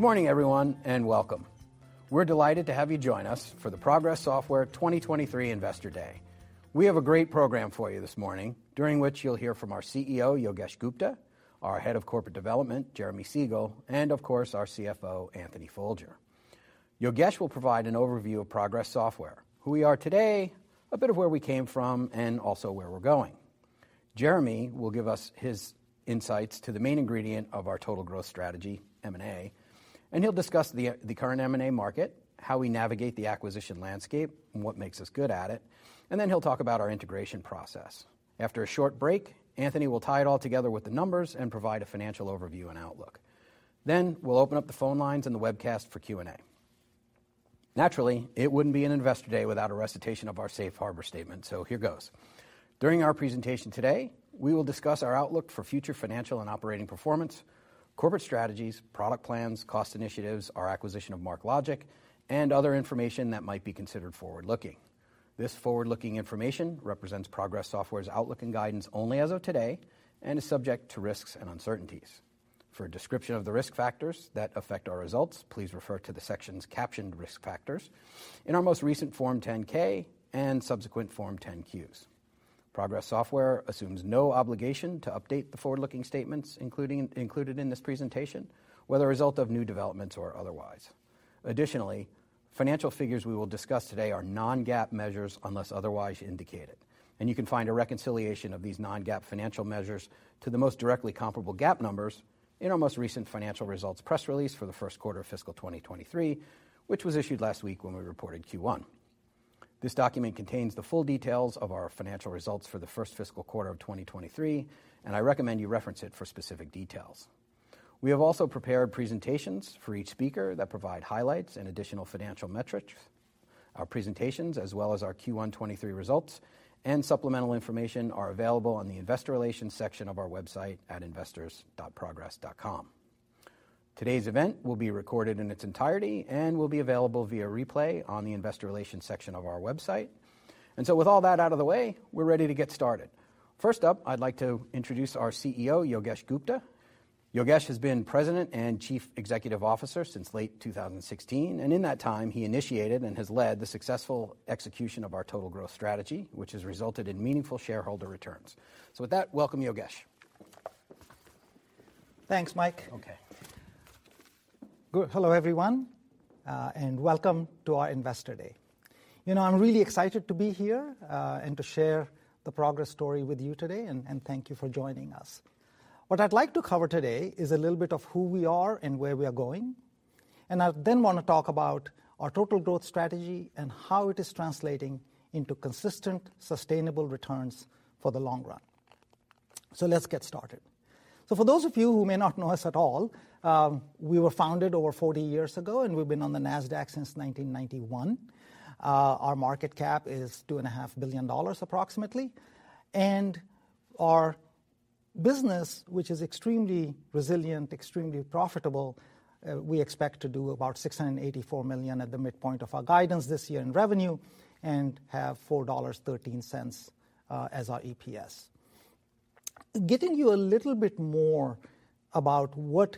Good morning, everyone, and welcome. We're delighted to have you join us for the Progress Software 2023 Investor Day. We have a great program for you this morning, during which you'll hear from our CEO, Yogesh Gupta, our Head of Corporate Development, Jeremy Segal, and of course, our CFO, Anthony Folger. Yogesh will provide an overview of Progress Software, who we are today, a bit of where we came from, and also where we're going. Jeremy will give us his insights to the main ingredient of our total growth strategy, M&A, and he'll discuss the current M&A market, how we navigate the acquisition landscape and what makes us good at it, and then he'll talk about our integration process. After a short break, Anthony will tie it all together with the numbers and provide a financial overview and outlook. We'll open up the phone lines and the webcast for Q&A. Naturally, it wouldn't be an investor day without a recitation of our safe harbor statement, so here goes. During our presentation today, we will discuss our outlook for future financial and operating performance, corporate strategies, product plans, cost initiatives, our acquisition of MarkLogic, and other information that might be considered forward-looking. This forward-looking information represents Progress Software's outlook and guidance only as of today and is subject to risks and uncertainties. For a description of the risk factors that affect our results, please refer to the sections captioned Risk Factors in our most recent Form 10-K and subsequent Form 10-Qs. Progress Software assumes no obligation to update the forward-looking statements included in this presentation, whether a result of new developments or otherwise. Financial figures we will discuss today are non-GAAP measures unless otherwise indicated, and you can find a reconciliation of these non-GAAP financial measures to the most directly comparable GAAP numbers in our most recent financial results press release for the first quarter of fiscal 2023, which was issued last week when we reported Q1. This document contains the full details of our financial results for the first fiscal quarter of 2023, I recommend you reference it for specific details. We have also prepared presentations for each speaker that provide highlights and additional financial metrics. Our presentations, as well as our Q1 2023 results and supplemental information, are available on the investor relations section of our website at investors.progress.com. Today's event will be recorded in its entirety and will be available via replay on the investor relations section of our website. With all that out of the way, we're ready to get started. First up, I'd like to introduce our CEO, Yogesh Gupta. Yogesh has been President and Chief Executive Officer since late 2016, and in that time, he initiated and has led the successful execution of our total growth strategy, which has resulted in meaningful shareholder returns. With that, welcome, Yogesh. Thanks, Mike. Okay. Good. Hello, everyone, and welcome to our Investor Day. You know, I'm really excited to be here and to share the Progress story with you today. Thank you for joining us. What I'd like to cover today is a little bit of who we are and where we are going, and I then want to talk about our total growth strategy and how it is translating into consistent, sustainable returns for the long run. Let's get started. For those of you who may not know us at all, we were founded over 40 years ago, and we've been on the Nasdaq since 1991. Our market cap is $2.5 billion approximately. Our business, which is extremely resilient, extremely profitable, we expect to do about $684 million at the midpoint of our guidance this year in revenue and have $4.13 as our EPS. Getting you a little bit more about what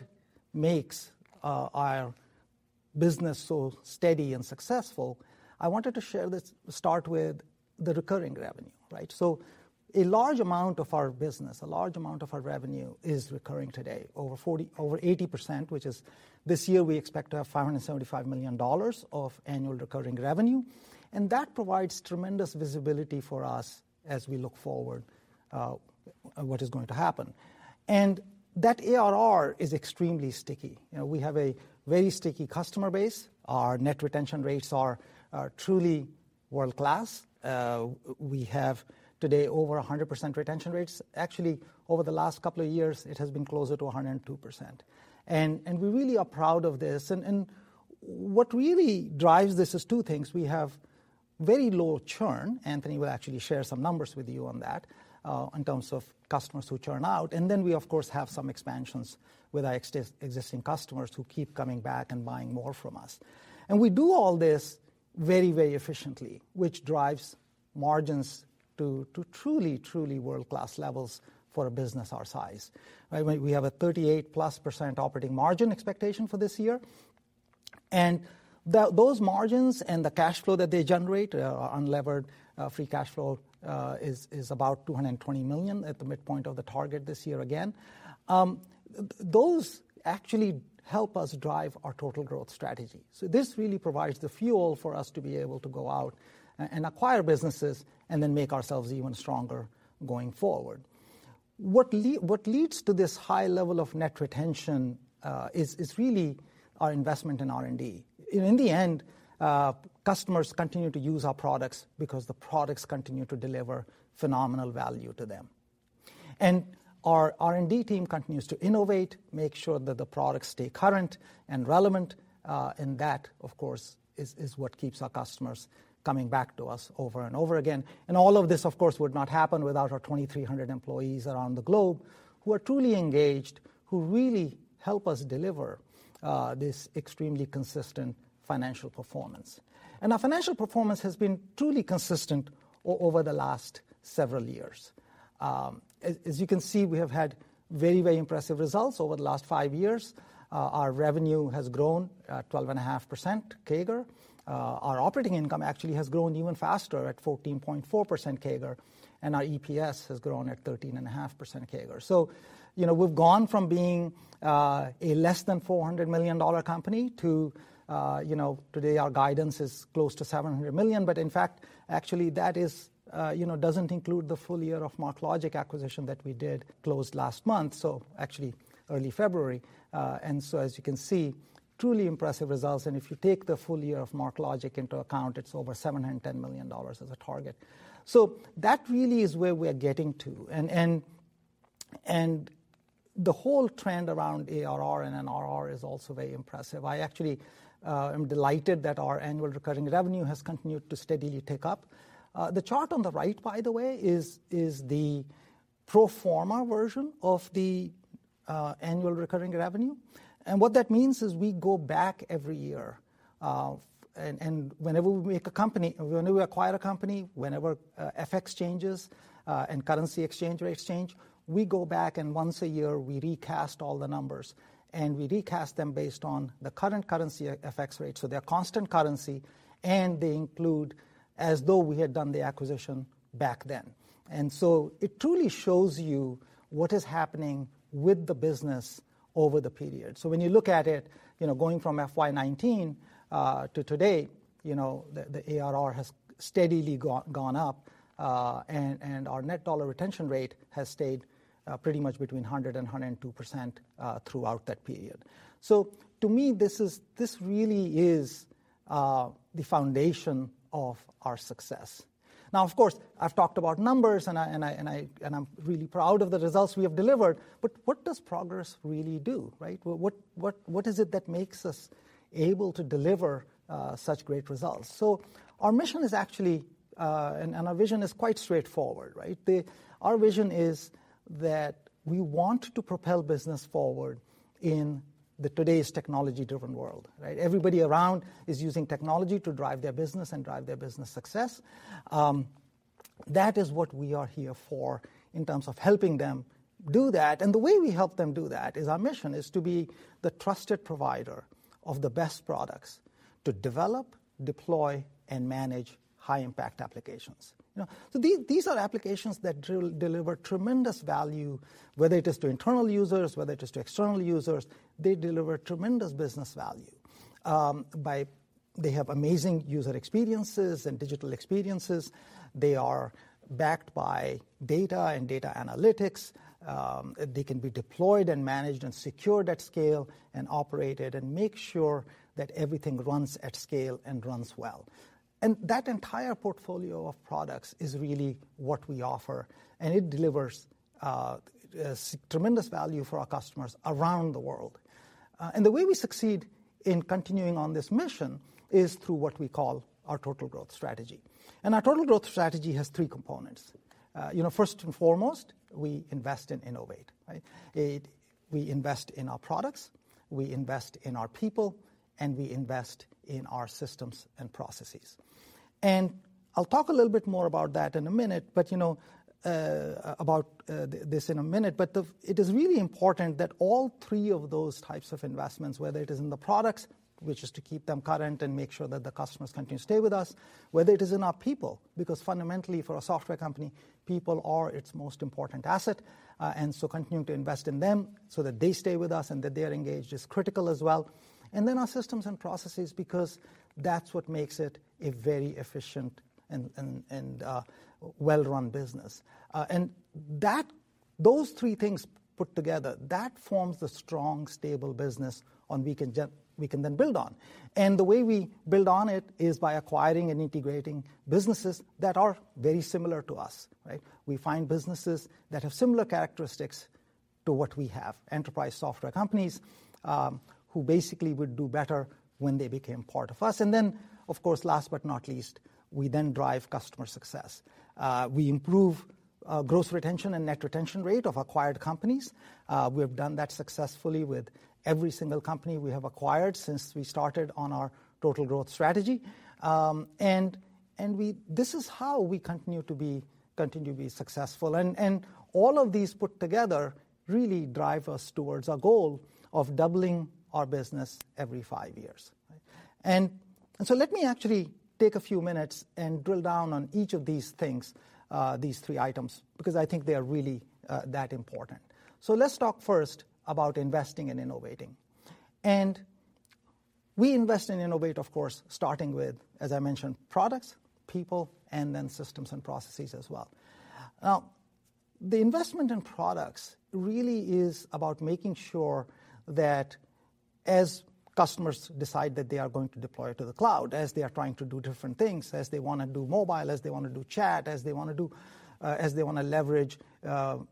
makes our business so steady and successful, I wanted to start with the recurring revenue, right? A large amount of our business, a large amount of our revenue is recurring today, over 80%, which is this year we expect to have $575 million of annual recurring revenue. That provides tremendous visibility for us as we look forward on what is going to happen. That ARR is extremely sticky. You know, we have a very sticky customer base. Our net retention rates are truly world-class. We have today over 100% retention rates. Actually, over the last couple of years, it has been closer to 102%. We really are proud of this. What really drives this is two things. We have very low churn. Anthony will actually share some numbers with you on that, in terms of customers who churn out. Then we of course have some expansions with our existing customers who keep coming back and buying more from us. We do all this very efficiently, which drives margins to truly world-class levels for a business our size, right? We have a 38%+ operating margin expectation for this year. Those margins and the cash flow that they generate, unlevered free cash flow, is about $220 million at the midpoint of the target this year again. Those actually help us drive our total growth strategy. This really provides the fuel for us to be able to go out and acquire businesses and then make ourselves even stronger going forward. What leads to this high level of net retention, is really our investment in R&D. In the end, customers continue to use our products because the products continue to deliver phenomenal value to them. Our R&D team continues to innovate, make sure that the products stay current and relevant. That, of course, is what keeps our customers coming back to us over and over again. All of this, of course, would not happen without our 2,300 employees around the globe who are truly engaged, who really help us deliver, this extremely consistent financial performance. Our financial performance has been truly consistent over the last several years. As you can see, we have had very, very impressive results over the last five years. Our revenue has grown at 12.5% CAGR. Our operating income actually has grown even faster at 14.4% CAGR, and our EPS has grown at 13.5% CAGR. You know, we've gone from being a less than $400 million company to, you know, today our guidance is close to $700 million. In fact, actually that is, you know, doesn't include the full year of MarkLogic acquisition that we did close last month, so actually early February. As you can see, truly impressive results. If you take the full year of MarkLogic into account, it's over $710 million as a target. That really is where we're getting to. The whole trend around ARR and NRR is also very impressive. I actually am delighted that our annual recurring revenue has continued to steadily tick up. The chart on the right, by the way, is the pro forma version of the Annual Recurring Revenue. What that means is we go back every year. Whenever we acquire a company, whenever FX changes, and currency exchange rates change, we go back and once a year we recast all the numbers, and we recast them based on the current currency FX rate. They're constant currency, and they include as though we had done the acquisition back then. It truly shows you what is happening with the business over the period. When you look at it, you know, going from FY 2019 to today, you know, the ARR has steadily gone up, and our net dollar retention rate has stayed pretty much between 100% and 102% throughout that period. To me, this really is the foundation of our success. Of course, I've talked about numbers, and I'm really proud of the results we have delivered, but what does Progress really do, right? What is it that makes us able to deliver such great results? Our mission is actually, and our vision is quite straightforward, right? Our vision is that we want to propel business forward in the today's technology-driven world, right? Everybody around is using technology to drive their business and drive their business success. That is what we are here for in terms of helping them do that. The way we help them do that is our mission is to be the trusted provider of the best products to develop, deploy, and manage high impact applications. You know, these are applications that deliver tremendous value, whether it is to internal users, whether it is to external users, they deliver tremendous business value. They have amazing user experiences and digital experiences. They are backed by data and data analytics. They can be deployed and managed and secured at scale and operated and make sure that everything runs at scale and runs well. That entire portfolio of products is really what we offer, and it delivers tremendous value for our customers around the world. The way we succeed in continuing on this mission is through what we call our Total Growth Strategy. Our Total Growth Strategy has three components. You know, first and foremost, we invest in innovate, right? We invest in our products, we invest in our people. We invest in our systems and processes. I'll talk a little bit more about that in a minute, but you know, about this in a minute. It is really important that all three of those types of investments, whether it is in the products, which is to keep them current and make sure that the customers continue to stay with us, whether it is in our people, because fundamentally for a software company, people are its most important asset, and so continuing to invest in them so that they stay with us and that they are engaged is critical as well. Our systems and processes, because that's what makes it a very efficient and well-run business. Those three things put together, that forms the strong, stable business on we can then build on. The way we build on it is by acquiring and integrating businesses that are very similar to us, right? We find businesses that have similar characteristics to what we have, enterprise software companies, who basically would do better when they became part of us. Of course, last but not least, we then drive customer success. We improve gross retention and net retention rate of acquired companies. We have done that successfully with every single company we have acquired since we started on our Total Growth Strategy. We... This is how we continue to be successful. All of these put together really drive us towards our goal of doubling our business every 5 years. Let me actually take a few minutes and drill down on each of these things, these 3 items, because I think they are really that important. Let's talk first about investing and innovating. We invest in innovate, of course, starting with, as I mentioned, products, people, and then systems and processes as well. The investment in products really is about making sure that as customers decide that they are going to deploy to the cloud, as they are trying to do different things, as they wanna do mobile, as they wanna do chat, as they wanna do, as they wanna leverage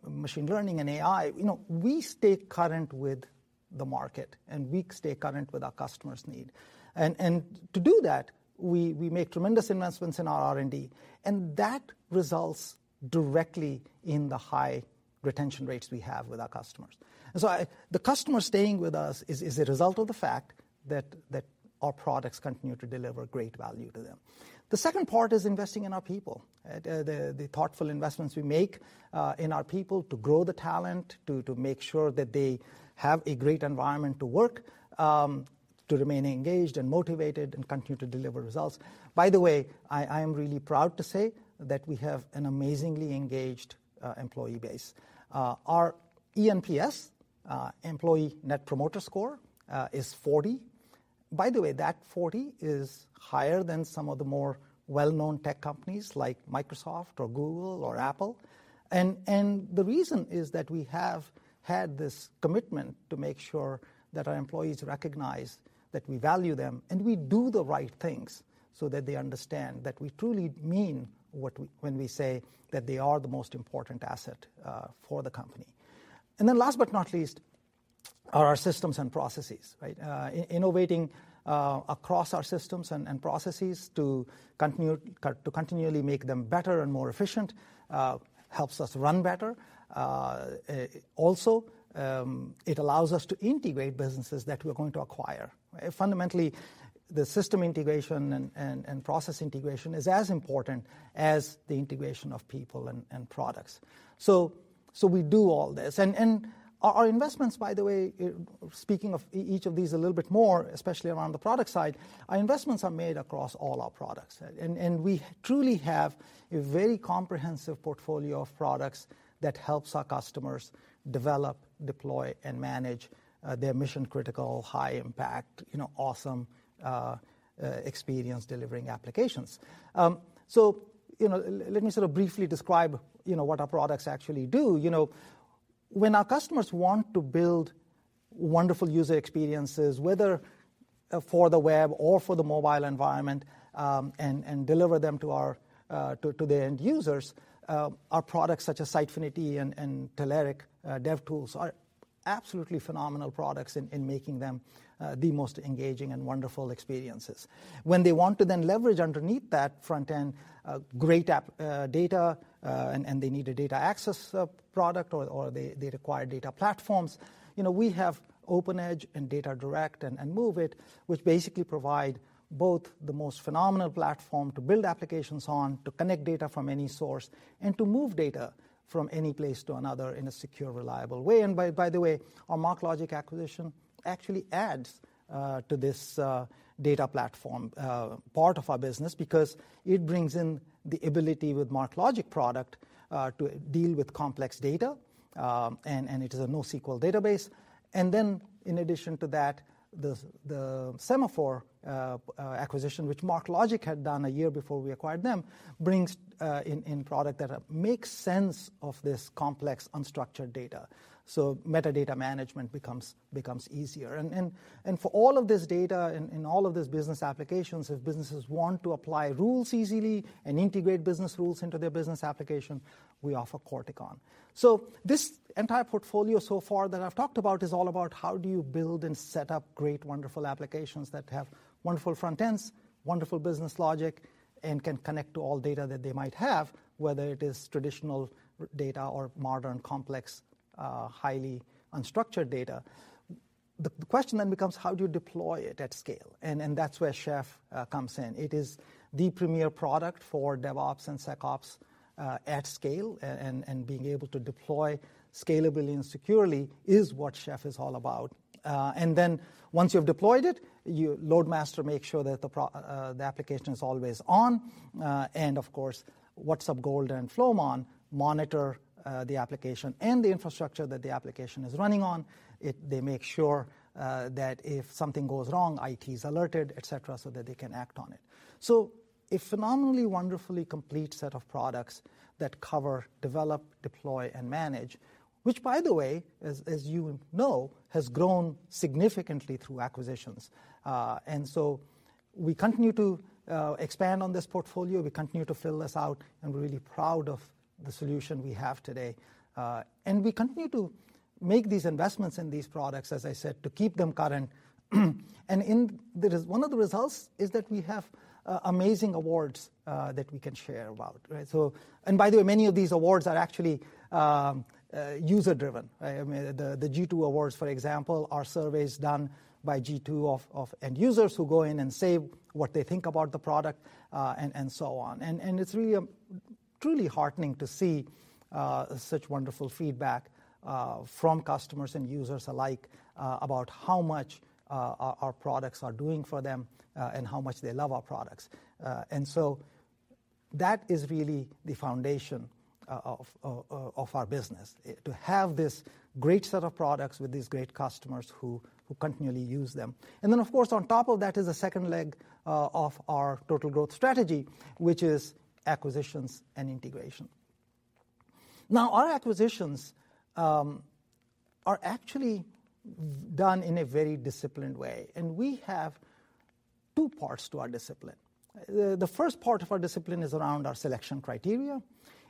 machine learning and AI, you know, we stay current with the market and we stay current with our customers' need. To do that, we make tremendous investments in our R&D, and that results directly in the high retention rates we have with our customers. The customer staying with us is a result of the fact that our products continue to deliver great value to them. The second part is investing in our people. The thoughtful investments we make in our people to grow the talent, to make sure that they have a great environment to work, to remain engaged and motivated and continue to deliver results. By the way, I am really proud to say that we have an amazingly engaged employee base. Our eNPS, Employee Net Promoter Score, is 40. By the way, that 40 is higher than some of the more well-known tech companies like Microsoft or Google or Apple. The reason is that we have had this commitment to make sure that our employees recognize that we value them and we do the right things so that they understand that we truly mean when we say that they are the most important asset for the company. Last but not least are our systems and processes, right? Innovating across our systems and processes to continually make them better and more efficient, helps us run better. Also, it allows us to integrate businesses that we're going to acquire, right? Fundamentally, the system integration and process integration is as important as the integration of people and products. We do all this. Our investments, by the way, speaking of each of these a little bit more, especially around the product side, our investments are made across all our products. We truly have a very comprehensive portfolio of products that helps our customers develop, deploy, and manage, their mission-critical, high-impact, you know, awesome experience delivering applications. You know, let me sort of briefly describe, you know, what our products actually do. You know, when our customers want to build wonderful user experiences, whether for the web or for the mobile environment, and deliver them to our to the end users, our products such as Sitefinity and Telerik DevTools are absolutely phenomenal products in making them the most engaging and wonderful experiences. When they want to then leverage underneath that front end, great app, data, and they need a data access product or they require data platforms, you know, we have OpenEdge and DataDirect and MOVEit, which basically provide both the most phenomenal platform to build applications on, to connect data from any source, and to move data from any place to another in a secure, reliable way. By the way, our MarkLogic acquisition actually adds to this data platform part of our business because it brings in the ability with MarkLogic product to deal with complex data, and it is a NoSQL database. Then in addition to that, the Semaphore acquisition, which MarkLogic had done a year before we acquired them, brings in product that makes sense of this complex unstructured data. So metadata management becomes easier. For all of this data and all of this business applications, if businesses want to apply rules easily and integrate business rules into their business application, we offer Corticon. So this entire portfolio so far that I've talked about is all about how do you build and set up great, wonderful applications that have wonderful front ends, wonderful business logic, and can connect to all data that they might have, whether it is traditional data or modern, complex, highly unstructured data. The question then becomes how do you deploy it at scale? That's where Chef comes in. It is the premier product for DevOps and SecOps at scale. Being able to deploy scalably and securely is what Chef is all about. Once you've deployed it, LoadMaster makes sure that the application is always on. Of course, WhatsUp Gold and Flowmon monitor the application and the infrastructure that the application is running on. They make sure that if something goes wrong, IT is alerted, et cetera, so that they can act on it. A phenomenally, wonderfully complete set of products that cover, develop, deploy, and manage, which by the way, as you know, has grown significantly through acquisitions. We continue to expand on this portfolio. We continue to fill this out, and we're really proud of the solution we have today. We continue to make these investments in these products, as I said, to keep them current. The one of the results is that we have amazing awards that we can share about, right? By the way, many of these awards are actually user driven, right? I mean, the G2 awards, for example, are surveys done by G2 of end users who go in and say what they think about the product, and so on. It's really truly heartening to see such wonderful feedback from customers and users alike about how much our products are doing for them and how much they love our products. That is really the foundation of our business, to have this great set of products with these great customers who continually use them. Of course, on top of that is a second leg of our total growth strategy, which is acquisitions and integration. Our acquisitions are actually done in a very disciplined way, and we have two parts to our discipline. The first part of our discipline is around our selection criteria,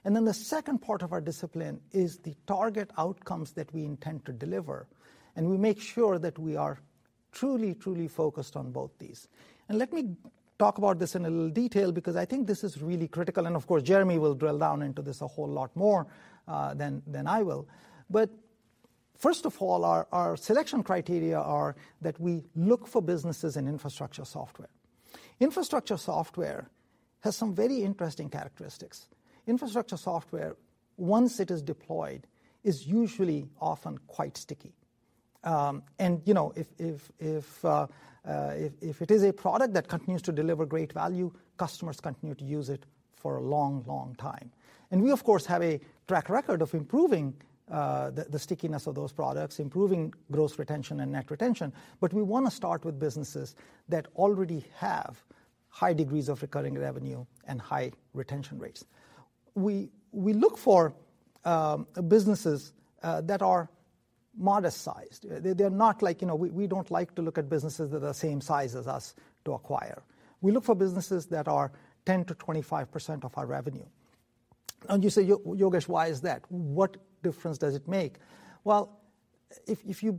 and then the second part of our discipline is the target outcomes that we intend to deliver. We make sure that we are truly focused on both these. Let me talk about this in a little detail because I think this is really critical, and of course, Jeremy will drill down into this a whole lot more than I will. First of all, our selection criteria are that we look for businesses in infrastructure software. Infrastructure software has some very interesting characteristics. Infrastructure software, once it is deployed, is usually often quite sticky. And you know, if it is a product that continues to deliver great value, customers continue to use it for a long, long time. We of course have a track record of improving the stickiness of those products, improving gross retention and net retention, but we wanna start with businesses that already have high degrees of recurring revenue and high retention rates. We look for businesses that are modest sized. They're not like, you know... We don't like to look at businesses that are same size as us to acquire. We look for businesses that are 10%-25% of our revenue. You say, "Yogesh, why is that? What difference does it make?" Well, if you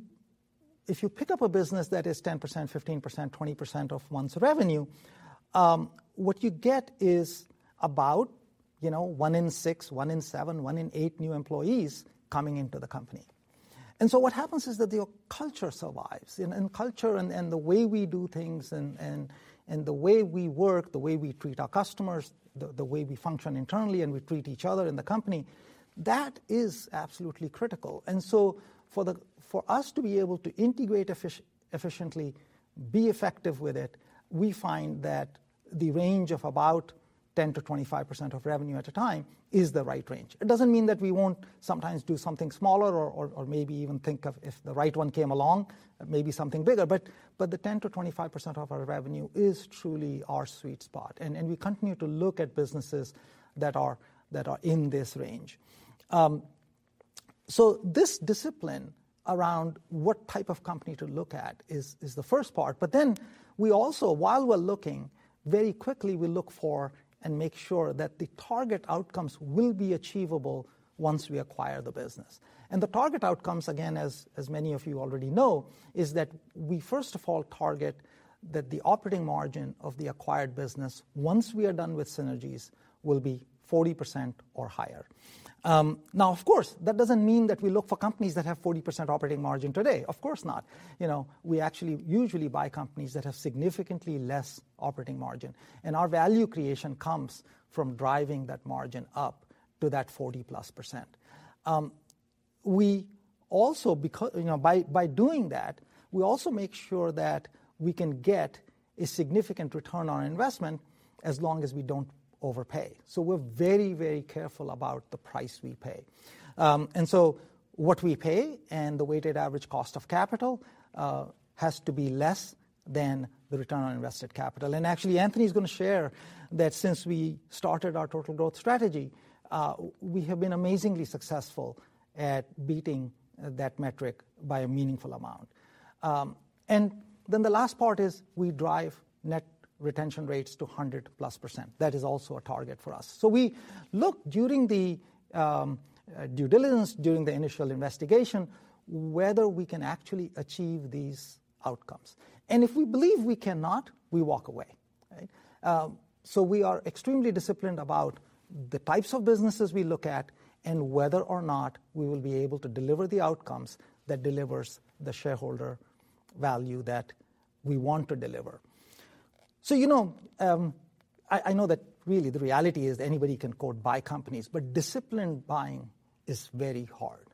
pick up a business that is 10%, 15%, 20% of one's revenue, what you get is about, you know, 1 in 6, 1 in 7, 1 in 8 new employees coming into the company. What happens is that your culture survives. Culture and the way we do things and the way we work, the way we treat our customers, the way we function internally and we treat each other in the company, that is absolutely critical. For us to be able to integrate efficiently, be effective with it, we find that the range of about 10%-25% of revenue at a time is the right range. It doesn't mean that we won't sometimes do something smaller or maybe even think of, if the right one came along, maybe something bigger, but the 10%-25% of our revenue is truly our sweet spot. We continue to look at businesses that are in this range. This discipline around what type of company to look at is the first part, we also, while we're looking, very quickly we look for and make sure that the target outcomes will be achievable once we acquire the business. The target outcomes, again, as many of you already know, is that we first of all target that the operating margin of the acquired business, once we are done with synergies, will be 40% or higher. Of course, that doesn't mean that we look for companies that have 40% operating margin today. Of course not. You know, we actually usually buy companies that have significantly less operating margin, and our value creation comes from driving that margin up to that 40%+. We also you know, by doing that, we also make sure that we can get a significant return on investment as long as we don't overpay. We're very, very careful about the price we pay. What we pay and the weighted average cost of capital has to be less than the return on invested capital. Actually, Anthony's gonna share that since we started our total growth strategy, we have been amazingly successful at beating that metric by a meaningful amount. The last part is we drive net retention rates to 100%+. That is also a target for us. We look during the due diligence, during the initial investigation, whether we can actually achieve these outcomes. If we believe we cannot, we walk away. Right? We are extremely disciplined about the types of businesses we look at and whether or not we will be able to deliver the outcomes that delivers the shareholder value that we want to deliver. You know, I know that really the reality is anybody can go buy companies, but disciplined buying is very hard.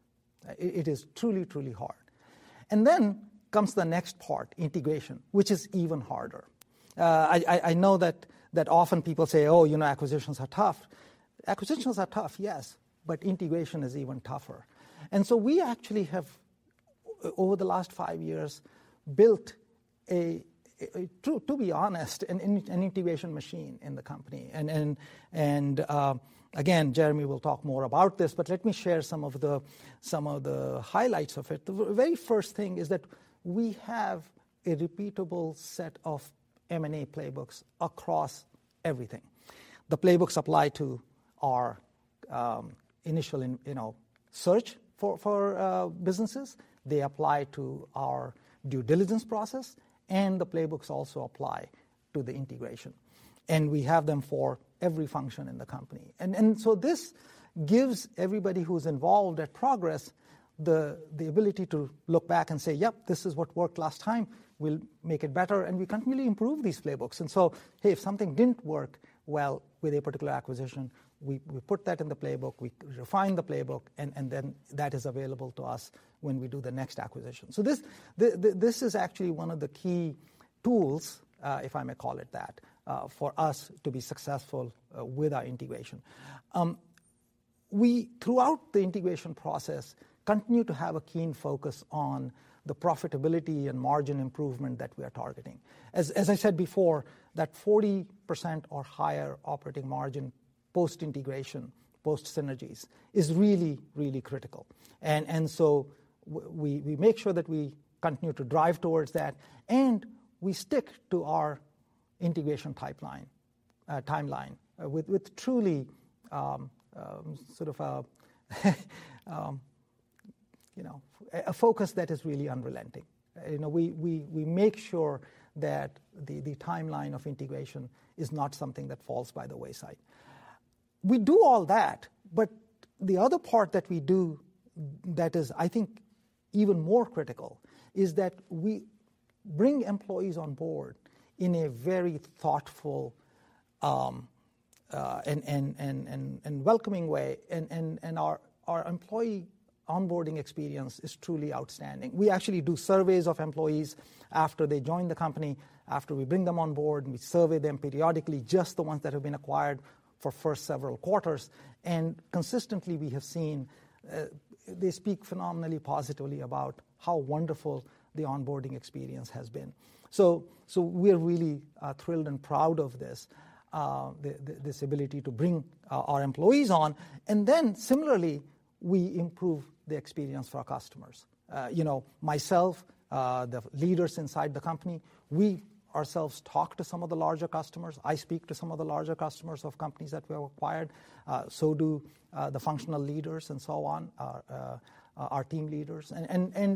It is truly hard. Then comes the next part, integration, which is even harder. I know that often people say, "Oh, you know, acquisitions are tough." Acquisitions are tough, yes, but integration is even tougher. We actually have, over the last 5 years, built a, to be honest, an integration machine in the company. Again, Jeremy will talk more about this, but let me share some of the highlights of it. The very first thing is that we have a repeatable set of M&A playbooks across everything. The playbooks apply to our initial in our search for businesses. They apply to our due diligence process, and the playbooks also apply to the integration. We have them for every function in the company. So this gives everybody who's involved at Progress the ability to look back and say, "Yep, this is what worked last time. We'll make it better." We continually improve these playbooks. So, hey, if something didn't work well with a particular acquisition, we put that in the playbook, we refine the playbook, and then that is available to us when we do the next acquisition. This is actually one of the key tools, if I may call it that, for us to be successful with our integration. We, throughout the integration process, continue to have a keen focus on the profitability and margin improvement that we are targeting. As I said before, that 40% or higher operating margin post-integration, post synergies, is really, really critical. We make sure that we continue to drive towards that, and we stick to our integration pipeline, timeline, with truly, sort of a, you know, a focus that is really unrelenting. You know, we make sure that the timeline of integration is not something that falls by the wayside. We do all that, but the other part that we do that is, I think, even more critical is that we bring employees on board in a very thoughtful and welcoming way. Our employee onboarding experience is truly outstanding. We actually do surveys of employees after they join the company, after we bring them on board, and we survey them periodically, just the ones that have been acquired for first several quarters. Consistently, we have seen, they speak phenomenally positively about how wonderful the onboarding experience has been. We're really thrilled and proud of this ability to bring our employees on. Similarly, we improve the experience for our customers. You know, myself, the leaders inside the company, we ourselves talk to some of the larger customers. I speak to some of the larger customers of companies that we have acquired, so do the functional leaders and so on, our team leaders.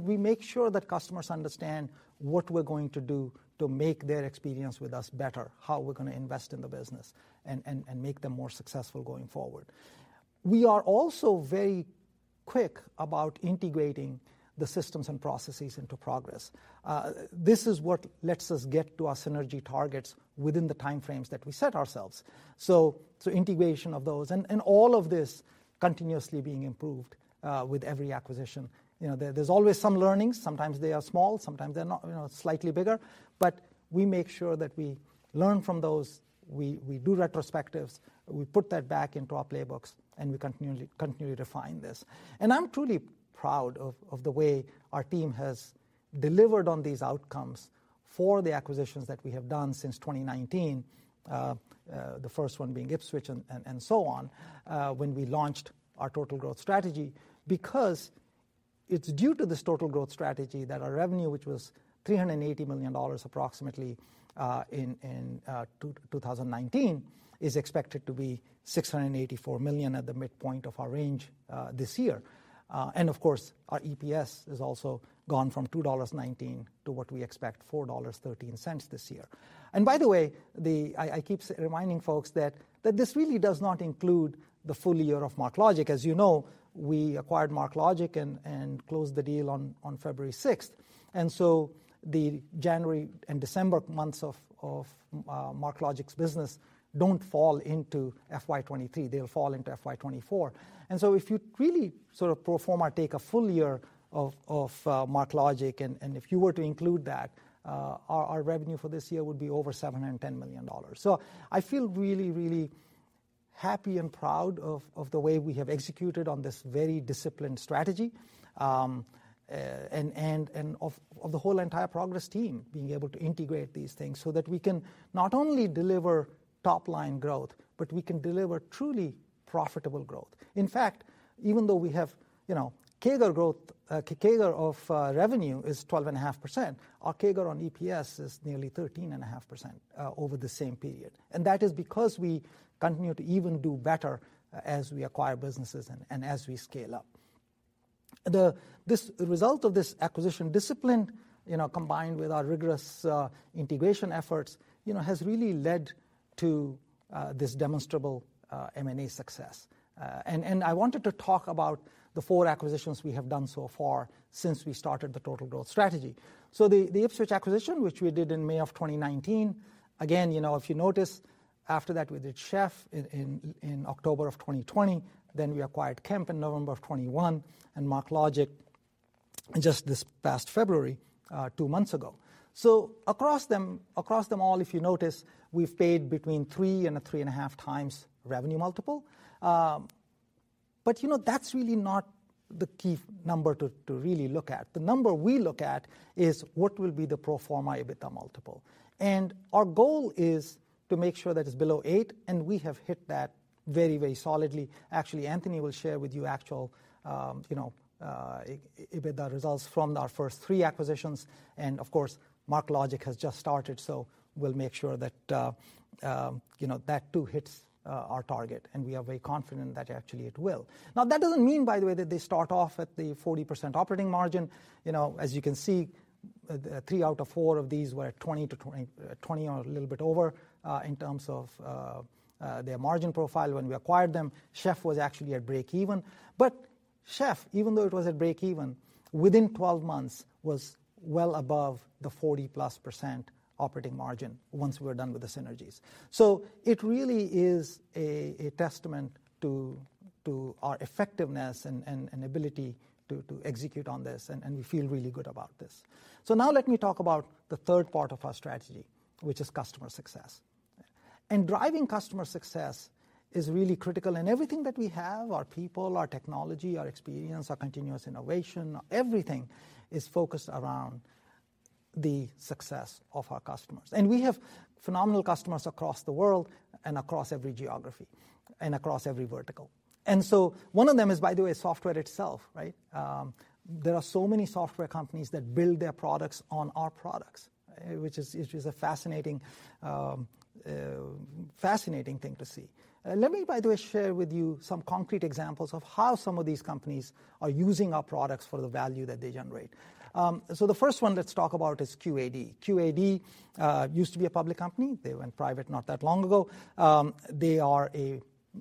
We make sure that customers understand what we're going to do to make their experience with us better, how we're gonna invest in the business and make them more successful going forward. We are also very quick about integrating the systems and processes into Progress. This is what lets us get to our synergy targets within the time frames that we set ourselves. Integration of those and all of this continuously being improved with every acquisition. You know, there's always some learnings. Sometimes they are small, sometimes they're not, you know, slightly bigger. We make sure that we learn from those. We do retrospectives. We put that back into our playbooks, we continually refine this. I'm truly proud of the way our team has delivered on these outcomes for the acquisitions that we have done since 2019, the first one being Ipswitch and so on, when we launched our total growth strategy, because it's due to this total growth strategy that our revenue, which was $380 million approximately, in 2019, is expected to be $684 million at the midpoint of our range, this year. Of course, our EPS has also gone from $2.19 to what we expect, $4.13 this year. By the way, the... I keep reminding folks that this really does not include the full year of MarkLogic. As you know, we acquired MarkLogic and closed the deal on February 6th. The January and December months of MarkLogic's business don't fall into FY 2023. They'll fall into FY 2024. If you really sort of pro forma take a full year of MarkLogic and if you were to include that, our revenue for this year would be over $710 million. I feel really happy and proud of the way we have executed on this very disciplined strategy and of the whole entire Progress team being able to integrate these things so that we can not only deliver top-line growth, but we can deliver truly profitable growth. In fact, even though we have, you know, CAGR growth, CAGR of revenue is 12.5%, our CAGR on EPS is nearly 13.5% over the same period. That is because we continue to even do better as we acquire businesses and as we scale up. This result of this acquisition discipline, you know, combined with our rigorous integration efforts, you know, has really led to this demonstrable M&A success. I wanted to talk about the 4 acquisitions we have done so far since we started the total growth strategy. The Ipswitch acquisition, which we did in May of 2019, again, you know, if you notice after that we did Chef in October of 2020, then we acquired Kemp in November of 2021 and MarkLogic just this past February, two months ago. Across them all, if you notice, we've paid between 3.5x revenue multiple. You know, that's really not the key number to really look at. The number we look at is what will be the pro forma EBITDA multiple. Our goal is to make sure that it's below eight, and we have hit that very solidly. Actually, Anthony will share with you actual, you know, EBITDA results from our first three acquisitions. Of course, MarkLogic has just started, so we'll make sure that, you know, that too hits our target, and we are very confident that actually it will. That doesn't mean, by the way, that they start off at the 40% operating margin. You know, as you can see, three out of four of these were 20 or a little bit over in terms of their margin profile when we acquired them. Chef was actually at breakeven. Chef, even though it was at breakeven, within 12 months was well above the 40%+ operating margin once we were done with the synergies. It really is a testament to our effectiveness and ability to execute on this, and we feel really good about this. Now let me talk about the third part of our strategy, which is customer success. Driving customer success is really critical. Everything that we have, our people, our technology, our experience, our continuous innovation, everything is focused around the success of our customers. We have phenomenal customers across the world and across every geography and across every vertical. One of them is, by the way, software itself, right? There are so many software companies that build their products on our products, which is, which is a fascinating thing to see. Let me, by the way, share with you some concrete examples of how some of these companies are using our products for the value that they generate. The first one let's talk about is QAD. QAD used to be a public company. They went private not that long ago. They are a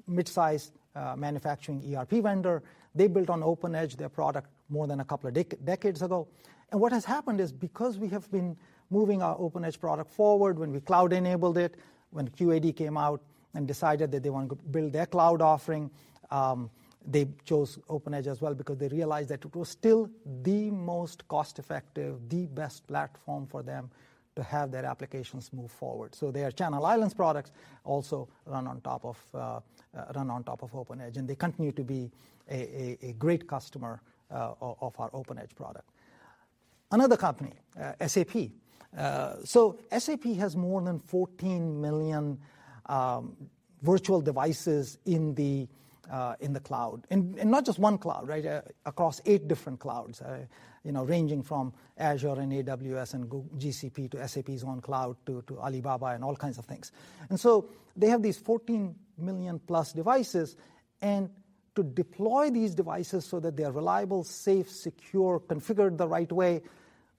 midsize manufacturing ERP vendor. They built on OpenEdge their product more than a couple of decades ago. What has happened is because we have been moving our OpenEdge product forward, when we cloud-enabled it, when QAD came out and decided that they want to build their cloud offering, they chose OpenEdge as well because they realized that it was still the most cost-effective, the best platform for them to have their applications move forward. Their Channel Islands products also run on top of OpenEdge, and they continue to be a great customer of our OpenEdge product. Another company, SAP. SAP has more than 14 million virtual devices in the cloud, and not just one cloud, right? Across eight different clouds, you know, ranging from Azure and AWS and GCP to SAP's own cloud to Alibaba and all kinds of things. They have these 14 million plus devices and to deploy these devices so that they are reliable, safe, secure, configured the right way,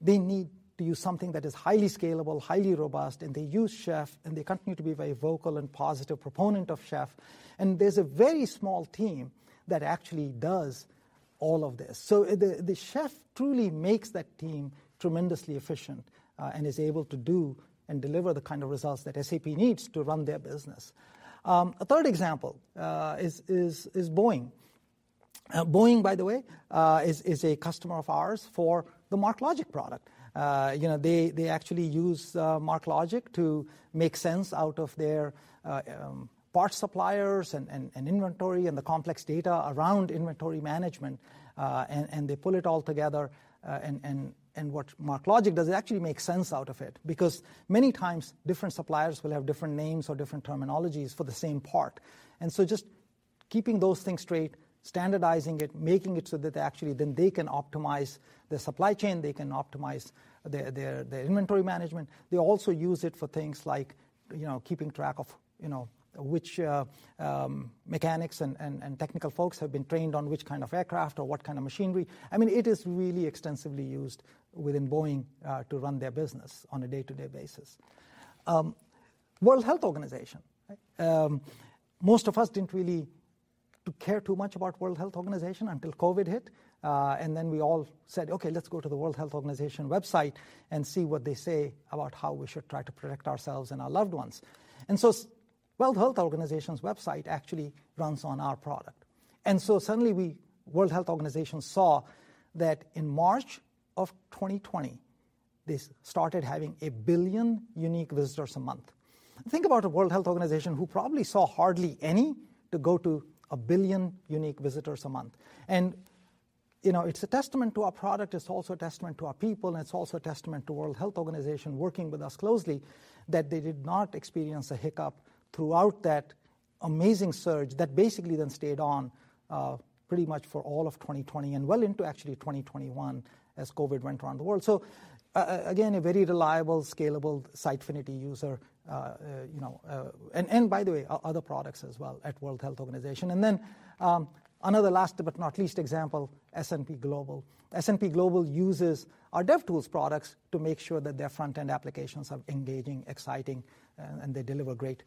they need to use something that is highly scalable, highly robust, and they use Chef, and they continue to be very vocal and positive proponent of Chef. There's a very small team that actually does all of this. The Chef truly makes that team tremendously efficient, and is able to do and deliver the kind of results that SAP needs to run their business. A third example is Boeing. Boeing, by the way, is a customer of ours for the MarkLogic product. You know, they actually use MarkLogic to make sense out of their parts suppliers and inventory and the complex data around inventory management. They pull it all together, and what MarkLogic does is actually make sense out of it because many times different suppliers will have different names or different terminologies for the same part. Just keeping those things straight, standardizing it, making it so that actually then they can optimize their supply chain, they can optimize their inventory management. They also use it for things like, you know, keeping track of, you know, which mechanics and technical folks have been trained on which kind of aircraft or what kind of machinery. I mean, it is really extensively used within Boeing to run their business on a day-to-day basis. World Health Organization, right? Most of us didn't really care too much about World Health Organization until COVID hit, and then we all said, "Okay, let's go to the World Health Organization website and see what they say about how we should try to protect ourselves and our loved ones." World Health Organization's website actually runs on our product. Suddenly World Health Organization saw that in March of 2020, they started having 1 billion unique visitors a month. Think about a World Health Organization who probably saw hardly any to go to 1 billion unique visitors a month. You know, it's a testament to our product. It's also a testament to our people, it's also a testament to World Health Organization working with us closely that they did not experience a hiccup throughout that amazing surge that basically then stayed on pretty much for all of 2020 and well into actually 2021 as COVID went around the world. Again, a very reliable, scalable Sitefinity user, you know, and by the way, other products as well at World Health Organization. Another last but not least example, S&P Global. S&P Global uses our DevTools products to make sure that their front-end applications are engaging, exciting, and they deliver great,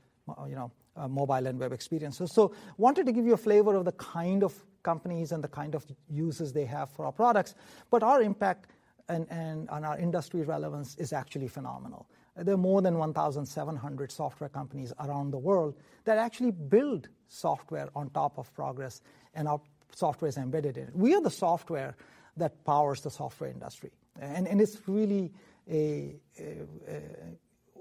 you know, mobile and web experiences. Wanted to give you a flavor of the kind of companies and the kind of uses they have for our products. Our impact on our industry relevance is actually phenomenal. There are more than 1,700 software companies around the world that actually build software on top of Progress, and our software is embedded in it. We are the software that powers the software industry. It's really a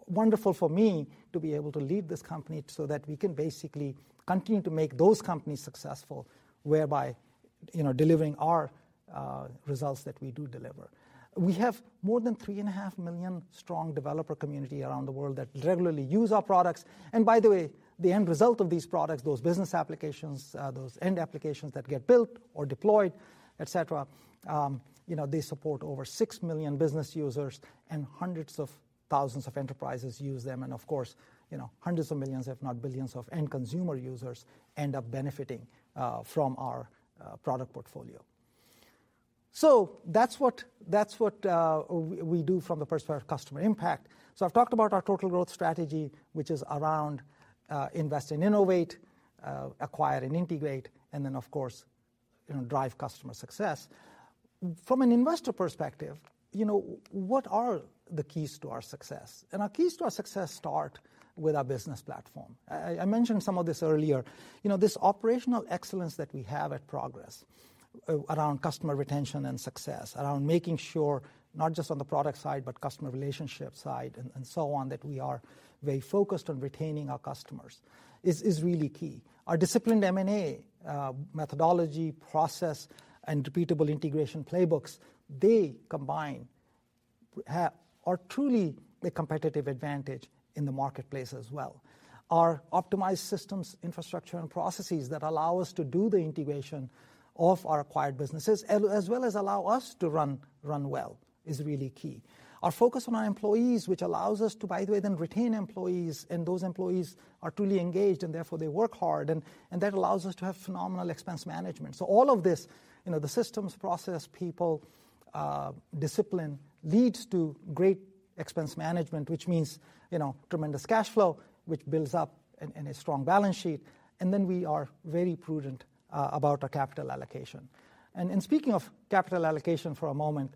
wonderful for me to be able to lead this company so that we can basically continue to make those companies successful, whereby, you know, delivering our results that we do deliver. We have more than 3.5 million strong developer community around the world that regularly use our products. By the way, the end result of these products, those business applications, those end applications that get built or deployed, et cetera, you know, they support over 6 million business users and hundreds of thousands of enterprises use them. Of course, you know, hundreds of millions, if not billions of end consumer users end up benefiting from our product portfolio. That's what we do from the perspective of customer impact. I've talked about our total growth strategy, which is around invest and innovate, acquire and integrate, and then of course, you know, drive customer success. From an investor perspective, you know, what are the keys to our success? Our keys to our success start with our business platform. I mentioned some of this earlier. You know, this operational excellence that we have at Progress around customer retention and success, around making sure not just on the product side, but customer relationship side and so on, that we are very focused on retaining our customers is really key. Our disciplined M&A methodology, process, and repeatable integration playbooks are truly a competitive advantage in the marketplace as well. Our optimized systems, infrastructure, and processes that allow us to do the integration of our acquired businesses as well as allow us to run well is really key. Our focus on our employees, which allows us to by the way then retain employees and those employees are truly engaged and therefore they work hard and that allows us to have phenomenal expense management. All of this, you know, the systems, process, people, discipline leads to great expense management, which means, you know, tremendous cash flow, which builds up a strong balance sheet, and then we are very prudent about our capital allocation. Speaking of capital allocation for a moment,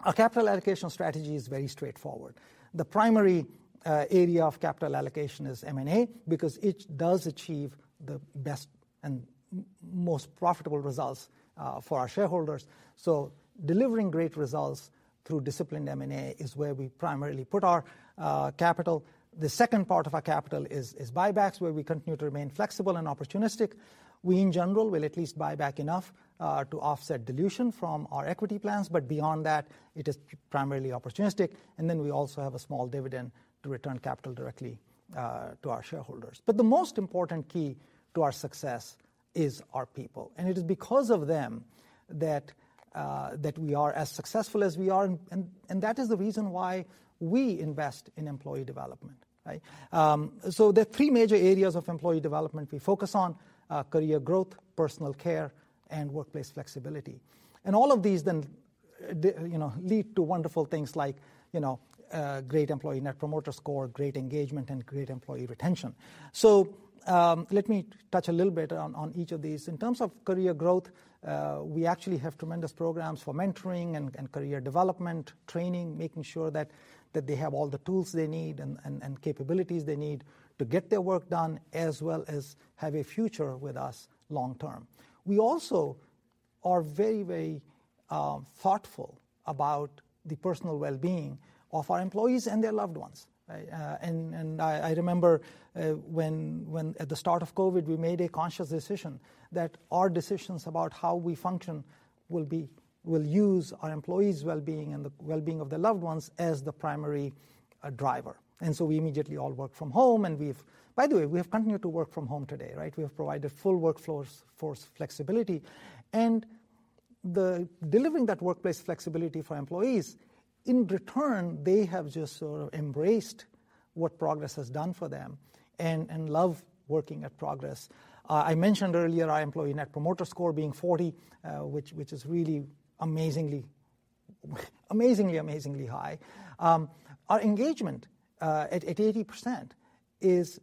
our capital allocation strategy is very straightforward. The primary area of capital allocation is M&A because it does achieve the best and most profitable results for our shareholders. Delivering great results through disciplined M&A is where we primarily put our capital. The second part of our capital is buybacks, where we continue to remain flexible and opportunistic. We in general will at least buyback enough to offset dilution from our equity plans, but beyond that it is primarily opportunistic. We also have a small dividend to return capital directly to our shareholders. The most important key to our success is our people, and it is because of them that we are as successful as we are, and that is the reason why we invest in employee development, right? There are three major areas of employee development we focus on, career growth, personal care, and workplace flexibility. All of these then you know, lead to wonderful things like, you know, great Employee Net Promoter Score, great engagement, and great employee retention. Let me touch a little bit on each of these. In terms of career growth, we actually have tremendous programs for mentoring and career development, training, making sure that they have all the tools they need and capabilities they need to get their work done as well as have a future with us long term. We also are very thoughtful about the personal well-being of our employees and their loved ones, right? I remember, when at the start of COVID, we made a conscious decision that our decisions about how we function will use our employees' well-being and the well-being of their loved ones as the primary driver. We immediately all worked from home, and we've. By the way, we have continued to work from home today, right? We have provided full workforce flexibility. The delivering that workplace flexibility for employees, in return, they have just sort of embraced what Progress has done for them and love working at Progress. I mentioned earlier our Employee Net Promoter Score being 40, which is really amazingly high. Our engagement, at 80% is